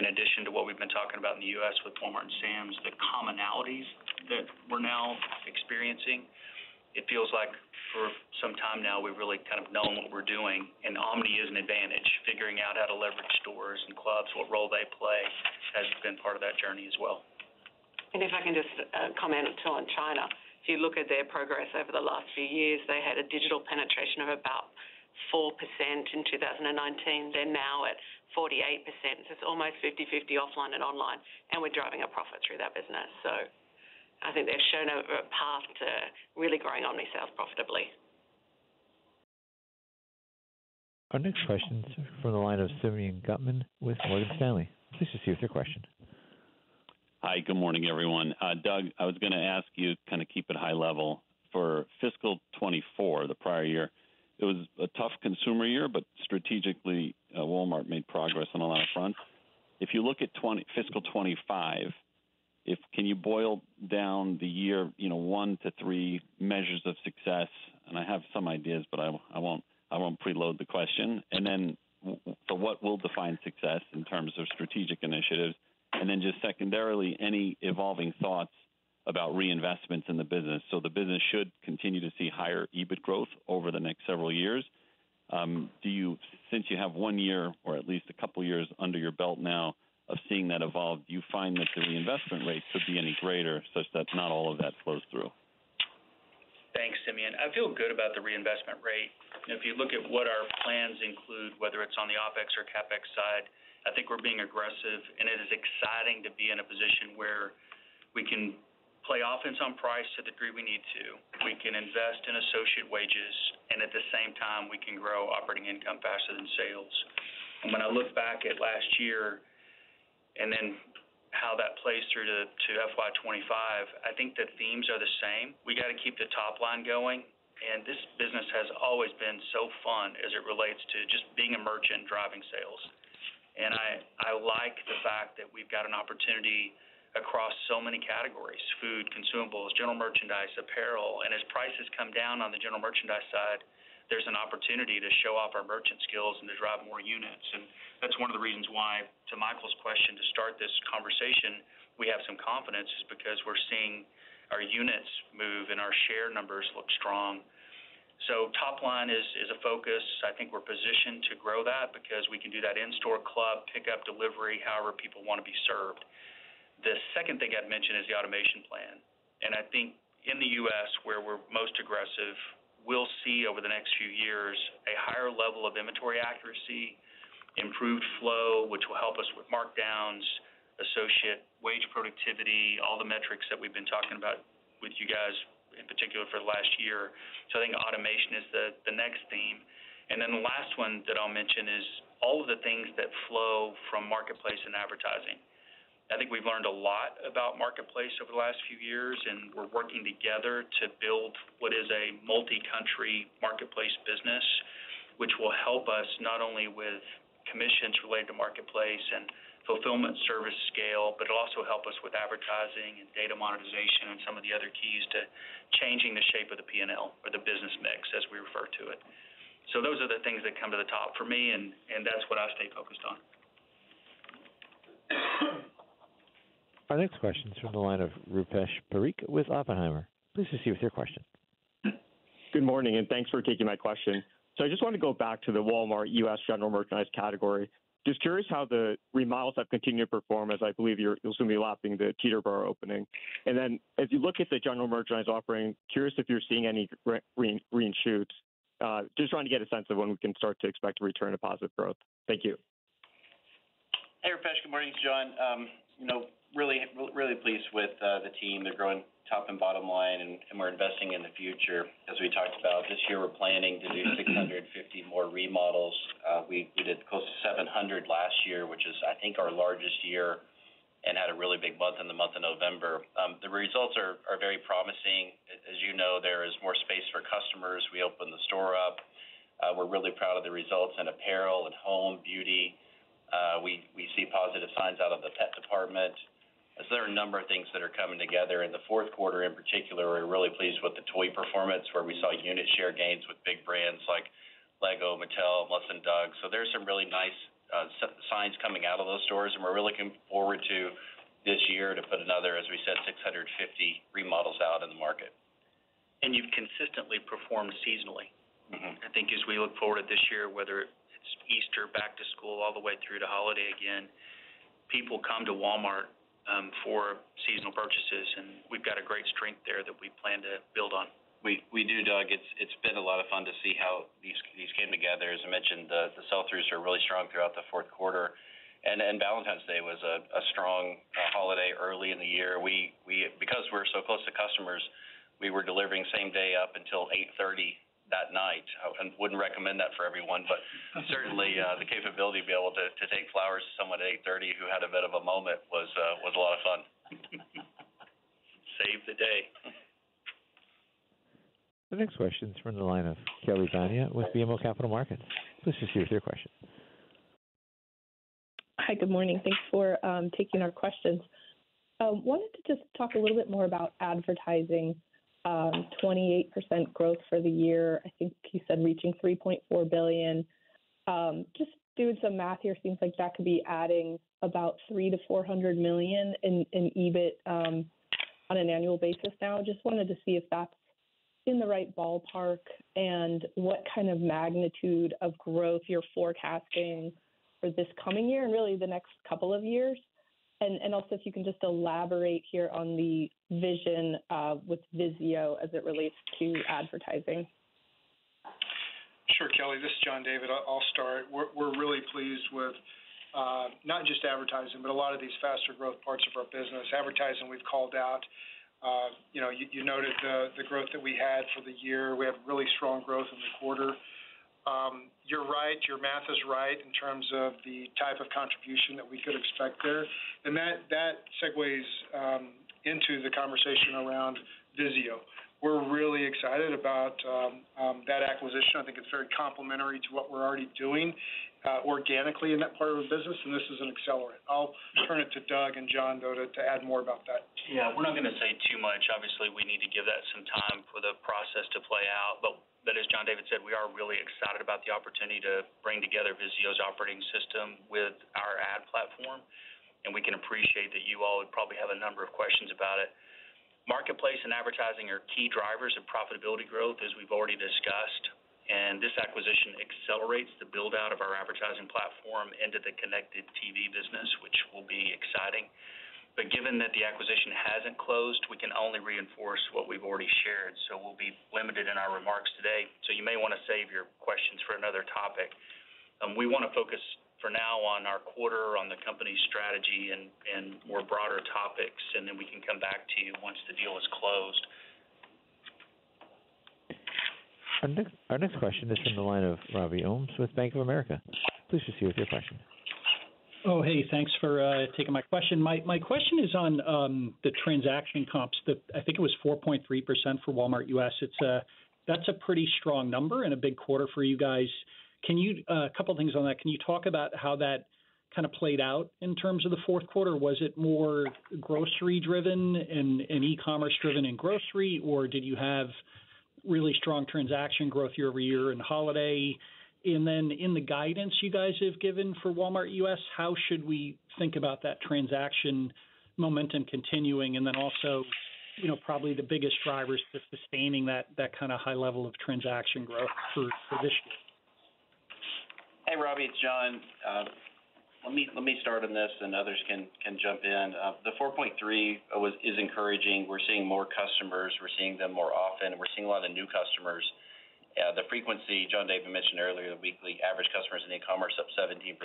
in addition to what we've been talking about in the U.S. with Walmart and Sam's, the commonalities that we're now experiencing, it feels like for some time now, we've really kind of known what we're doing, and omni is an advantage. Figuring out how to leverage stores and clubs, what role they play, has been part of that journey as well. If I can just comment too on China. If you look at their progress over the last few years, they had a digital penetration of about 4% in 2019. They're now at 48%, so it's almost 50/50 offline and online, and we're driving our profit through that business. So I think they've shown a path to really growing omni-sales profitably. Our next question is from the line of Simeon Gutman with Morgan Stanley. Please proceed with your question. Hi, good morning, everyone. Doug, I was gonna ask you to kind of keep it high level. For fiscal 2024, the prior year, it was a tough consumer year, but strategically, Walmart made progress on a lot of fronts. If you look at fiscal 2025, can you boil down the year, you know, 1 to 3 measures of success? And I have some ideas, but I won't preload the question. And then so what will define success in terms of strategic initiatives? And then just secondarily, any evolving thoughts about reinvestments in the business? So the business should continue to see higher EBIT growth over the next several years. Do you, since you have one year or at least a couple of years under your belt now of seeing that evolve, do you find that the reinvestment rate should be any greater such that not all of that flows through?... Simeon, I feel good about the reinvestment rate. And if you look at what our plans include, whether it's on the OpEx or CapEx side, I think we're being aggressive, and it is exciting to be in a position where we can play offense on price to the degree we need to. We can invest in associate wages, and at the same time, we can grow operating income faster than sales. And when I look back at last year and then how that plays through to FY 2025, I think the themes are the same. We got to keep the top line going, and this business has always been so fun as it relates to just being a merchant, driving sales. And I like the fact that we've got an opportunity across so many categories: food, consumables, General Merchandise, apparel. And as prices come down on the General Merchandise side, there's an opportunity to show off our merchant skills and to drive more units. And that's one of the reasons why, to Michael's question, to start this conversation, we have some confidence, is because we're seeing our units move and our share numbers look strong. So top line is, is a focus. I think we're positioned to grow that because we can do that in-store, club, pickup, delivery, however people want to be served. The second thing I'd mention is the automation plan. And I think in the U.S., where we're most aggressive, we'll see over the next few years, a higher level of inventory accuracy, improved flow, which will help us with markdowns, associate wage productivity, all the metrics that we've been talking about with you guys, in particular for the last year. So I think automation is the next theme. And then the last one that I'll mention is all of the things that flow from Marketplace and advertising. I think we've learned a lot about Marketplace over the last few years, and we're working together to build what is a multi-country marketplace business, which will help us not only with commissions related to Marketplace and fulfillment service scale, but it'll also help us with advertising and data monetization and some of the other keys to changing the shape of the P&L or the business mix, as we refer to it. So those are the things that come to the top for me, and that's what I stay focused on. Our next question is from the line of Rupesh Parikh with Oppenheimer. Please proceed with your question. Good morning, and thanks for taking my question. So I just want to go back to the Walmart U.S. General Merchandise category. Just curious how the remodels have continued to perform, as I believe you're going to be lapping the Teterboro opening. And then as you look at the General Merchandise offering, curious if you're seeing any green shoots? Just trying to get a sense of when we can start to expect a return to positive growth. Thank you. Hey, Rupesh, good morning. It's John. You know, really, we're really pleased with the team. They're growing top and bottom line, and we're investing in the future. As we talked about, this year, we're planning to do 650 more remodels. We did close to 700 last year, which is, I think, our largest year, and had a really big month in the month of November. The results are very promising. As you know, there is more space for customers. We opened the store up. We're really proud of the results in apparel and home, beauty. We see positive signs out of the pet department. As there are a number of things that are coming together in the fourth quarter, in particular, we're really pleased with the toy performance, where we saw unit share gains with big brands like LEGO, Mattel, Melissa & Doug. So there's some really nice signs coming out of those stores, and we're really looking forward to this year to put another, as we said, 650 remodels out in the market. You've consistently performed seasonally. Mm-hmm. I think as we look forward at this year, whether it's Easter, back to school, all the way through to holiday again, people come to Walmart for seasonal purchases, and we've got a great strength there that we plan to build on. We do, Doug. It's been a lot of fun to see how these came together. As I mentioned, the sell-throughs are really strong throughout the fourth quarter. And Valentine's Day was a strong holiday early in the year. Because we're so close to customers, we were delivering same day up until 8:30 P.M. that night. And wouldn't recommend that for everyone, but certainly the capability to be able to take flowers to someone at 8:30 P.M. who had a bit of a moment was a lot of fun. Saved the day. The next question is from the line of Kelly Bania with BMO Capital Markets. Please proceed with your question. Hi, good morning. Thanks for taking our questions. Wanted to just talk a little bit more about advertising, 28% growth for the year. I think you said reaching $3.4 billion. Just doing some math here, seems like that could be adding about $300 million-$400 million in EBIT on an annual basis now. Just wanted to see if that's in the right ballpark and what kind of magnitude of growth you're forecasting for this coming year and really the next couple of years. And also, if you can just elaborate here on the vision with VIZIO as it relates to advertising. Sure, Kelly, this is John David. I'll start. We're really pleased with not just advertising, but a lot of these faster growth parts of our business. Advertising, we've called out. You know, you noted the growth that we had for the year. We have really strong growth in the quarter. You're right, your math is right in terms of the type of contribution that we could expect there. And that segues into the conversation around VIZIO. We're really excited about that acquisition. I think it's very complementary to what we're already doing organically in that part of the business, and this is an accelerant. I'll turn it to Doug and John, though, to add more about that. Yeah, we're not going to say too much. Obviously, we need to give that some time for the process to play out. But, but as John David said, we are really excited about the opportunity to bring together VIZIO's operating system with our ad platform, and we can appreciate that you all would probably have a number of questions about it. Marketplace and advertising are key drivers of profitability growth, as we've already discussed.... accelerates the build-out of our advertising platform into the connected TV business, which will be exciting. But given that the acquisition hasn't closed, we can only reinforce what we've already shared, so we'll be limited in our remarks today. So you may want to save your questions for another topic. We want to focus, for now, on our quarter, on the company's strategy and more broader topics, and then we can come back to you once the deal is closed. Our next question is from the line of Robbie Ohmes with Bank of America. Please proceed with your question. Oh, hey, thanks for taking my question. My question is on the transaction comps that I think it was 4.3% for Walmart U.S. It's a pretty strong number and a big quarter for you guys. Can you, a couple of things on that. Can you talk about how that kind of played out in terms of the fourth quarter? Was it more grocery driven and e-commerce driven in grocery, or did you have really strong transaction growth year-over-year in holiday? And then in the guidance you guys have given for Walmart U.S., how should we think about that transaction momentum continuing? And then also, you know, probably the biggest drivers to sustaining that kind of high level of transaction growth for this year. Hey, Robbie, it's John. Let me start on this, and others can jump in. The 4.3% is encouraging. We're seeing more customers, we're seeing them more often, and we're seeing a lot of the new customers. The frequency, John David mentioned earlier, the weekly average customers in e-commerce up 17%,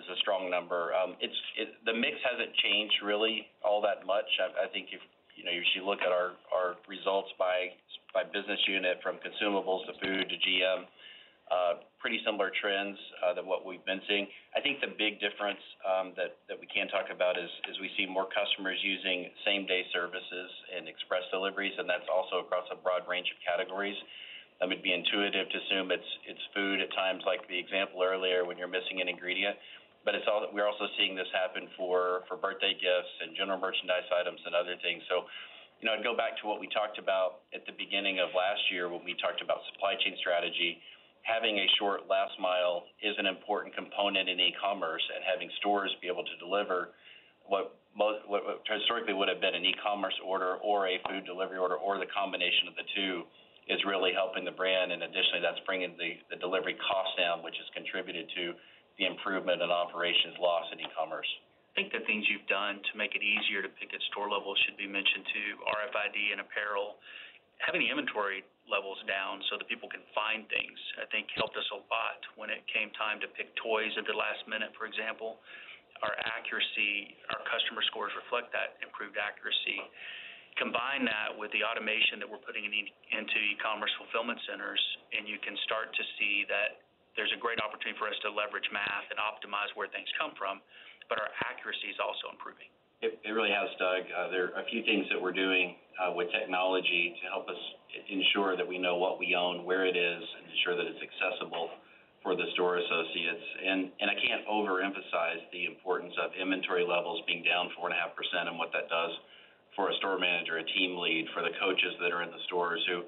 is a strong number. The mix hasn't changed really all that much. I think if you know, if you look at our results by business unit, from consumables to food to GM, pretty similar trends than what we've been seeing. I think the big difference that we can talk about is we see more customers using same-day services and express deliveries, and that's also across a broad range of categories. That would be intuitive to assume it's food at times, like the example earlier, when you're missing an ingredient. But it's all... We're also seeing this happen for birthday gifts and General Merchandise items and other things. So, you know, I'd go back to what we talked about at the beginning of last year, when we talked about supply chain strategy. Having a short last mile is an important component in e-commerce, and having stores be able to deliver what historically would have been an e-commerce order or a food delivery order or the combination of the two, is really helping the brand. And additionally, that's bringing the delivery cost down, which has contributed to the improvement in operations loss in e-commerce. I think the things you've done to make it easier to pick at store level should be mentioned, too. RFID and apparel. Having the inventory levels down so that people can find things, I think helped us a lot when it came time to pick toys at the last minute, for example. Our accuracy, our customer scores reflect that improved accuracy. Combine that with the automation that we're putting in, into e-commerce fulfillment centers, and you can start to see that there's a great opportunity for us to leverage math and optimize where things come from, but our accuracy is also improving. It really has, Doug. There are a few things that we're doing with technology to help us ensure that we know what we own, where it is, and ensure that it's accessible for the store associates. And I can't overemphasize the importance of inventory levels being down 4.5% and what that does for a store manager, a team lead, for the coaches that are in the stores who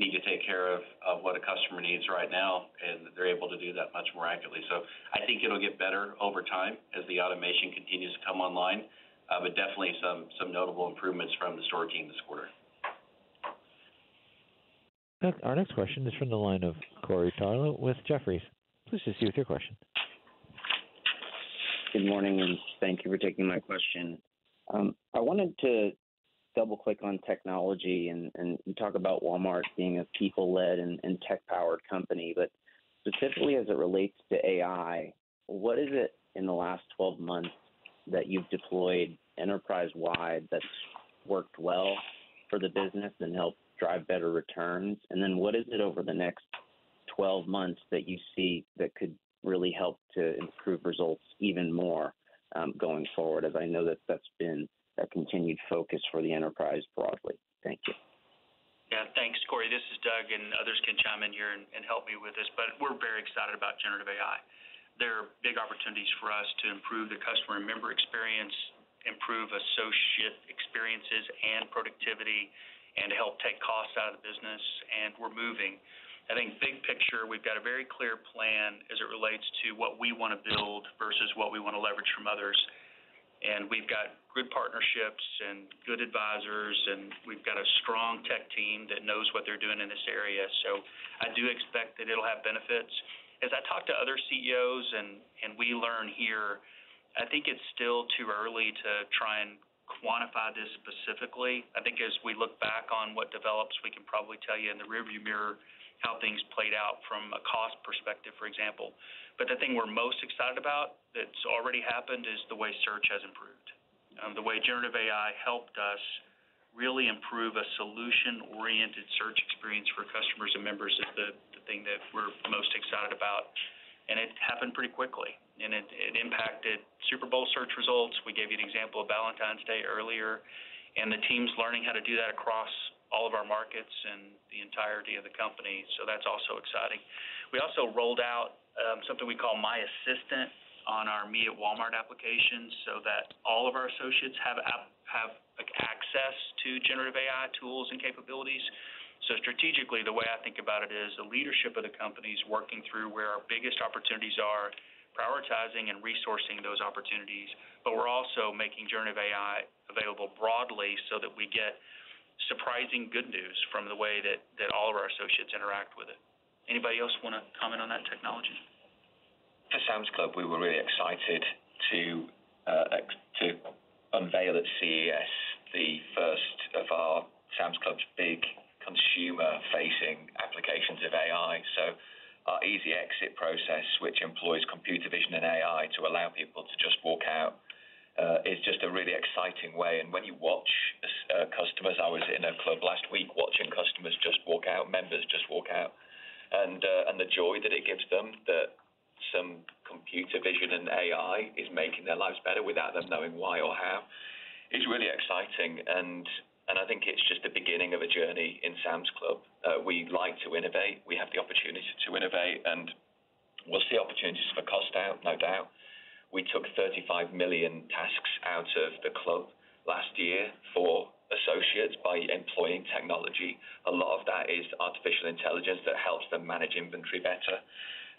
need to take care of what a customer needs right now, and they're able to do that much more accurately. So I think it'll get better over time as the automation continues to come online, but definitely some notable improvements from the store team this quarter. Our next question is from the line of Corey Tarlowe with Jefferies. Please proceed with your question. Good morning, and thank you for taking my question. I wanted to double-click on technology and, and you talk about Walmart being a people-led and, and tech-powered company, but specifically as it relates to AI, what is it in the last 12 months that you've deployed enterprise-wide that's worked well for the business and helped drive better returns? And then what is it over the next 12 months that you see that could really help to improve results even more, going forward, as I know that that's been a continued focus for the enterprise broadly. Thank you. Yeah, thanks, Corey. This is Doug, and others can chime in here and, and help me with this, but we're very excited about Generative AI. There are big opportunities for us to improve the customer and member experience, improve associate experiences and productivity, and help take costs out of the business, and we're moving. I think big picture, we've got a very clear plan as it relates to what we want to build versus what we want to leverage from others. And we've got good partnerships and good advisors, and we've got a strong tech team that knows what they're doing in this area. So I do expect that it'll have benefits. As I talk to other CEOs and, and we learn here, I think it's still too early to try and quantify this specifically. I think as we look back on what develops, we can probably tell you in the rearview mirror how things played out from a cost perspective, for example. But the thing we're most excited about that's already happened is the way search has improved. The way Generative AI helped us really improve a solution-oriented search experience for customers and members is the thing that we're most excited about, and it happened pretty quickly, and it impacted Super Bowl search results. We gave you an example of Valentine's Day earlier, and the team's learning how to do that across all of our markets and the entirety of the company, so that's also exciting. We also rolled out something we call My Assistant on our Me@Walmart application, so that all of our associates have, like, access to generative AI tools and capabilities. So strategically, the way I think about it is, the leadership of the company is working through where our biggest opportunities are, prioritizing and resourcing those opportunities. But we're also making generative AI available broadly so that we get... surprising good news from the way that, that all of our associates interact with it. Anybody else want to comment on that technology? For Sam's Club, we were really excited to unveil at CES the first of our Sam's Club's big consumer-facing applications of AI. So our easy exit process, which employs computer vision and AI to allow people to just walk out, is just a really exciting way. And when you watch customers, I was in a club last week watching customers just walk out, members just walk out, and the joy that it gives them, that some computer vision and AI is making their lives better without them knowing why or how, is really exciting. And I think it's just the beginning of a journey in Sam's Club. We like to innovate. We have the opportunity to innovate, and we'll see opportunities for cost out, no doubt. We took 35 million tasks out of the club last year for associates by employing technology. A lot of that is artificial intelligence that helps them manage inventory better.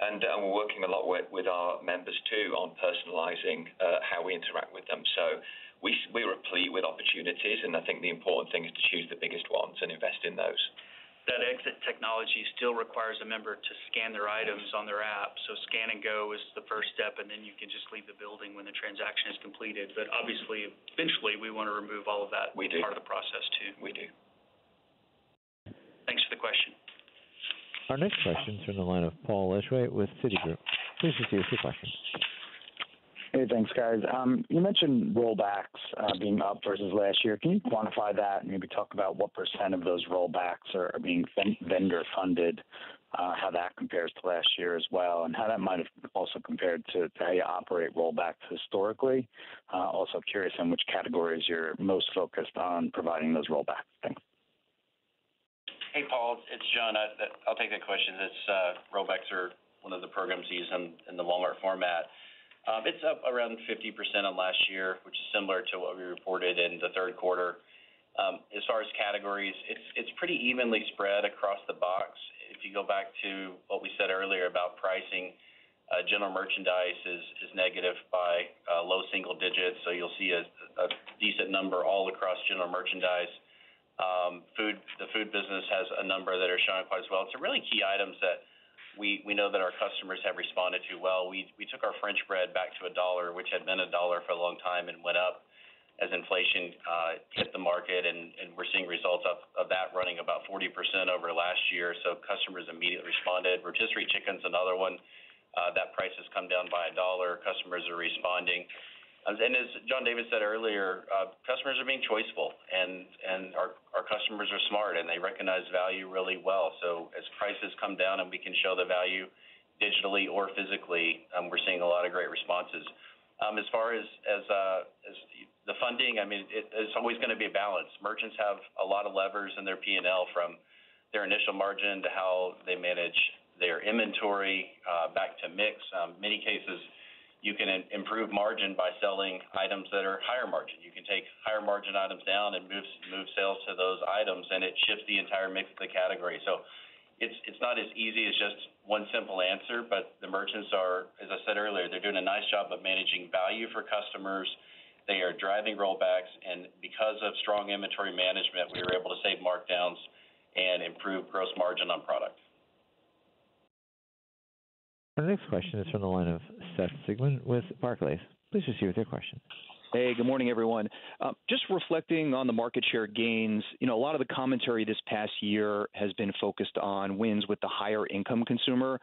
And we're working a lot with our members, too, on personalizing how we interact with them. So we are replete with opportunities, and I think the important thing is to choose the biggest ones and invest in those. That exit technology still requires a member to scan their items on their app. So Scan & Go is the first step, and then you can just leave the building when the transaction is completed. But obviously, eventually, we want to remove all of that- We do. part of the process, too. We do. Thanks for the question. Our next question is from the line of Paul Lejuez with Citigroup. Please proceed with your question. Hey, thanks, guys. You mentioned Rollbacks being up versus last year. Can you quantify that and maybe talk about what % of those Rollbacks are being vendor funded, how that compares to last year as well, and how that might have also compared to how you operate Rollbacks historically? Also curious on which categories you're most focused on providing those Rollbacks. Thanks. Hey, Paul, it's John. I'll take that question. It's Rollbacks are one of the programs used in the Walmart format. It's up around 50% on last year, which is similar to what we reported in the third quarter. As far as categories, it's pretty evenly spread across the box. If you go back to what we said earlier about pricing, General Merchandise is negative by low single digits, so you'll see a decent number all across General Merchandise. Food, the food business has a number that are showing up quite as well. It's some really key items that we know that our customers have responded to well. We took our French bread back to $1, which had been $1 for a long time and went up as inflation hit the market, and we're seeing results of that running about 40% over last year. So customers immediately responded. Rotisserie chicken's another one. That price has come down by $1. Customers are responding. And as John David said earlier, customers are being choiceful, and our customers are smart, and they recognize value really well. So as prices come down and we can show the value digitally or physically, we're seeing a lot of great responses. As far as the funding, I mean, it's always gonna be a balance. Merchants have a lot of levers in their P&L, from their initial margin to how they manage their inventory, back to mix. In many cases, you can improve margin by selling items that are higher margin. You can take higher margin items down and move sales to those items, and it shifts the entire mix of the category. So it's not as easy as just one simple answer, but the merchants are, as I said earlier, they're doing a nice job of managing value for customers. They are driving Rollbacks, and because of strong inventory management, we are able to save markdowns and improve gross margin on product. Our next question is from the line of Seth Sigman with Barclays. Please proceed with your question. Hey, good morning, everyone. Just reflecting on the market share gains, you know, a lot of the commentary this past year has been focused on wins with the higher income consumer.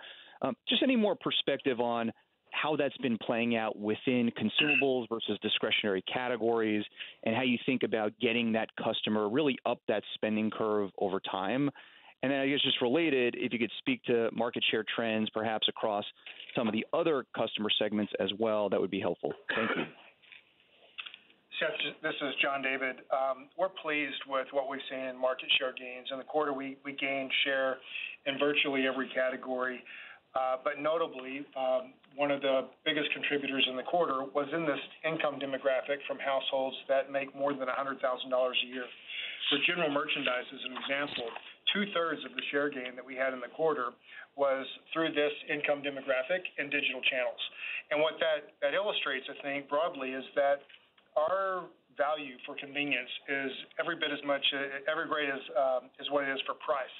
Just any more perspective on how that's been playing out within consumables versus discretionary categories, and how you think about getting that customer really up that spending curve over time. And then, I guess, just related, if you could speak to market share trends, perhaps across some of the other customer segments as well, that would be helpful. Thank you. Seth, this is John David. We're pleased with what we've seen in market share gains. In the quarter, we, we gained share in virtually every category, but notably, one of the biggest contributors in the quarter was in this income demographic from households that make more than $100,000 a year. So General Merchandise, as an example, two-thirds of the share gain that we had in the quarter was through this income demographic and digital channels. And what that, that illustrates, I think, broadly, is that our value for convenience is every bit as much, every great as, as what it is for price,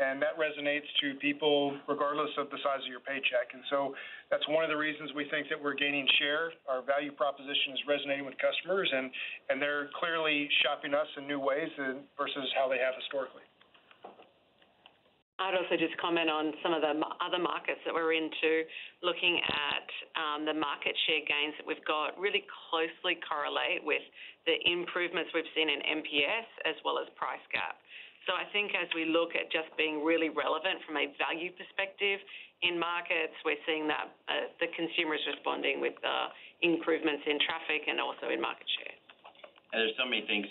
and that resonates to people regardless of the size of your paycheck. And so that's one of the reasons we think that we're gaining share. Our value proposition is resonating with customers, and they're clearly shopping us in new ways and versus how they have historically. I'd also just comment on some of the other markets that we're into, looking at, the market share gains that we've got, really closely correlate with the improvements we've seen in NPS as well as price gap. So I think as we look at just being really relevant from a value perspective in markets, we're seeing that, the consumer is responding with, improvements in traffic and also in market share. And there's so many things,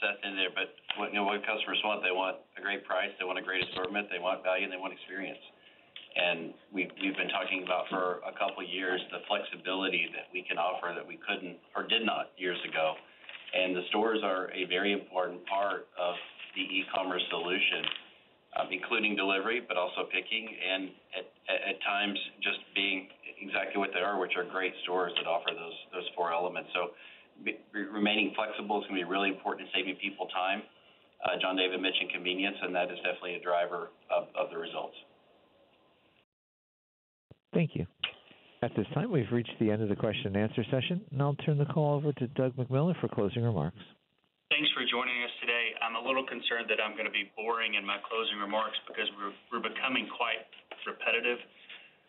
Seth, in there, but what, you know, what customers want, they want a great price, they want a great assortment, they want value, and they want experience. And we've been talking about for a couple years, the flexibility that we can offer that we couldn't or did not years ago, and the stores are a very important part of the e-commerce solution.... including delivery, but also picking and at times just being exactly what they are, which are great stores that offer those four elements. So remaining flexible is going to be really important to saving people time. John David mentioned convenience, and that is definitely a driver of the results. Thank you. At this time, we've reached the end of the question and answer session, and I'll turn the call over to Doug McMillon for closing remarks. Thanks for joining us today. I'm a little concerned that I'm going to be boring in my closing remarks because we're, we're becoming quite repetitive.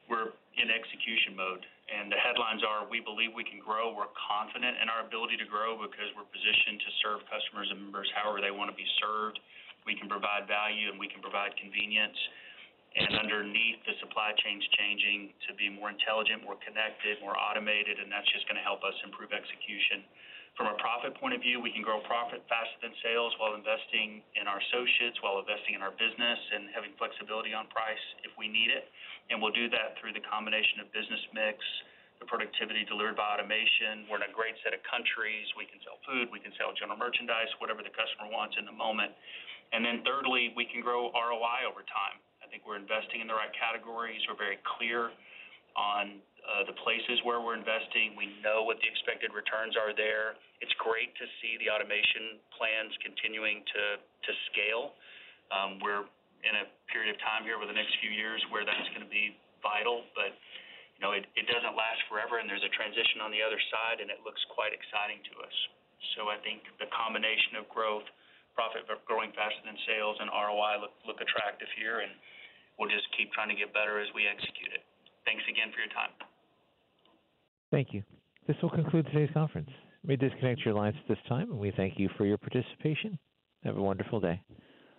We're in execution mode, and the headlines are, we believe we can grow. We're confident in our ability to grow because we're positioned to serve customers and members however they want to be served. We can provide value, and we can provide convenience. And underneath, the supply chain's changing to be more intelligent, more connected, more automated, and that's just going to help us improve execution. From a profit point of view, we can grow profit faster than sales while investing in our associates, while investing in our business and having flexibility on price if we need it. And we'll do that through the combination of business mix, the productivity delivered by automation. We're in a great set of countries. We can sell food, we can sell General Merchandise, whatever the customer wants in the moment. And then thirdly, we can grow ROI over time. I think we're investing in the right categories. We're very clear on the places where we're investing. We know what the expected returns are there. It's great to see the automation plans continuing to scale. We're in a period of time here over the next few years where that's going to be vital, but you know, it doesn't last forever, and there's a transition on the other side, and it looks quite exciting to us. So I think the combination of growth, profit, but growing faster than sales and ROI look attractive here, and we'll just keep trying to get better as we execute it. Thanks again for your time. Thank you. This will conclude today's conference. You may disconnect your lines at this time, and we thank you for your participation. Have a wonderful day.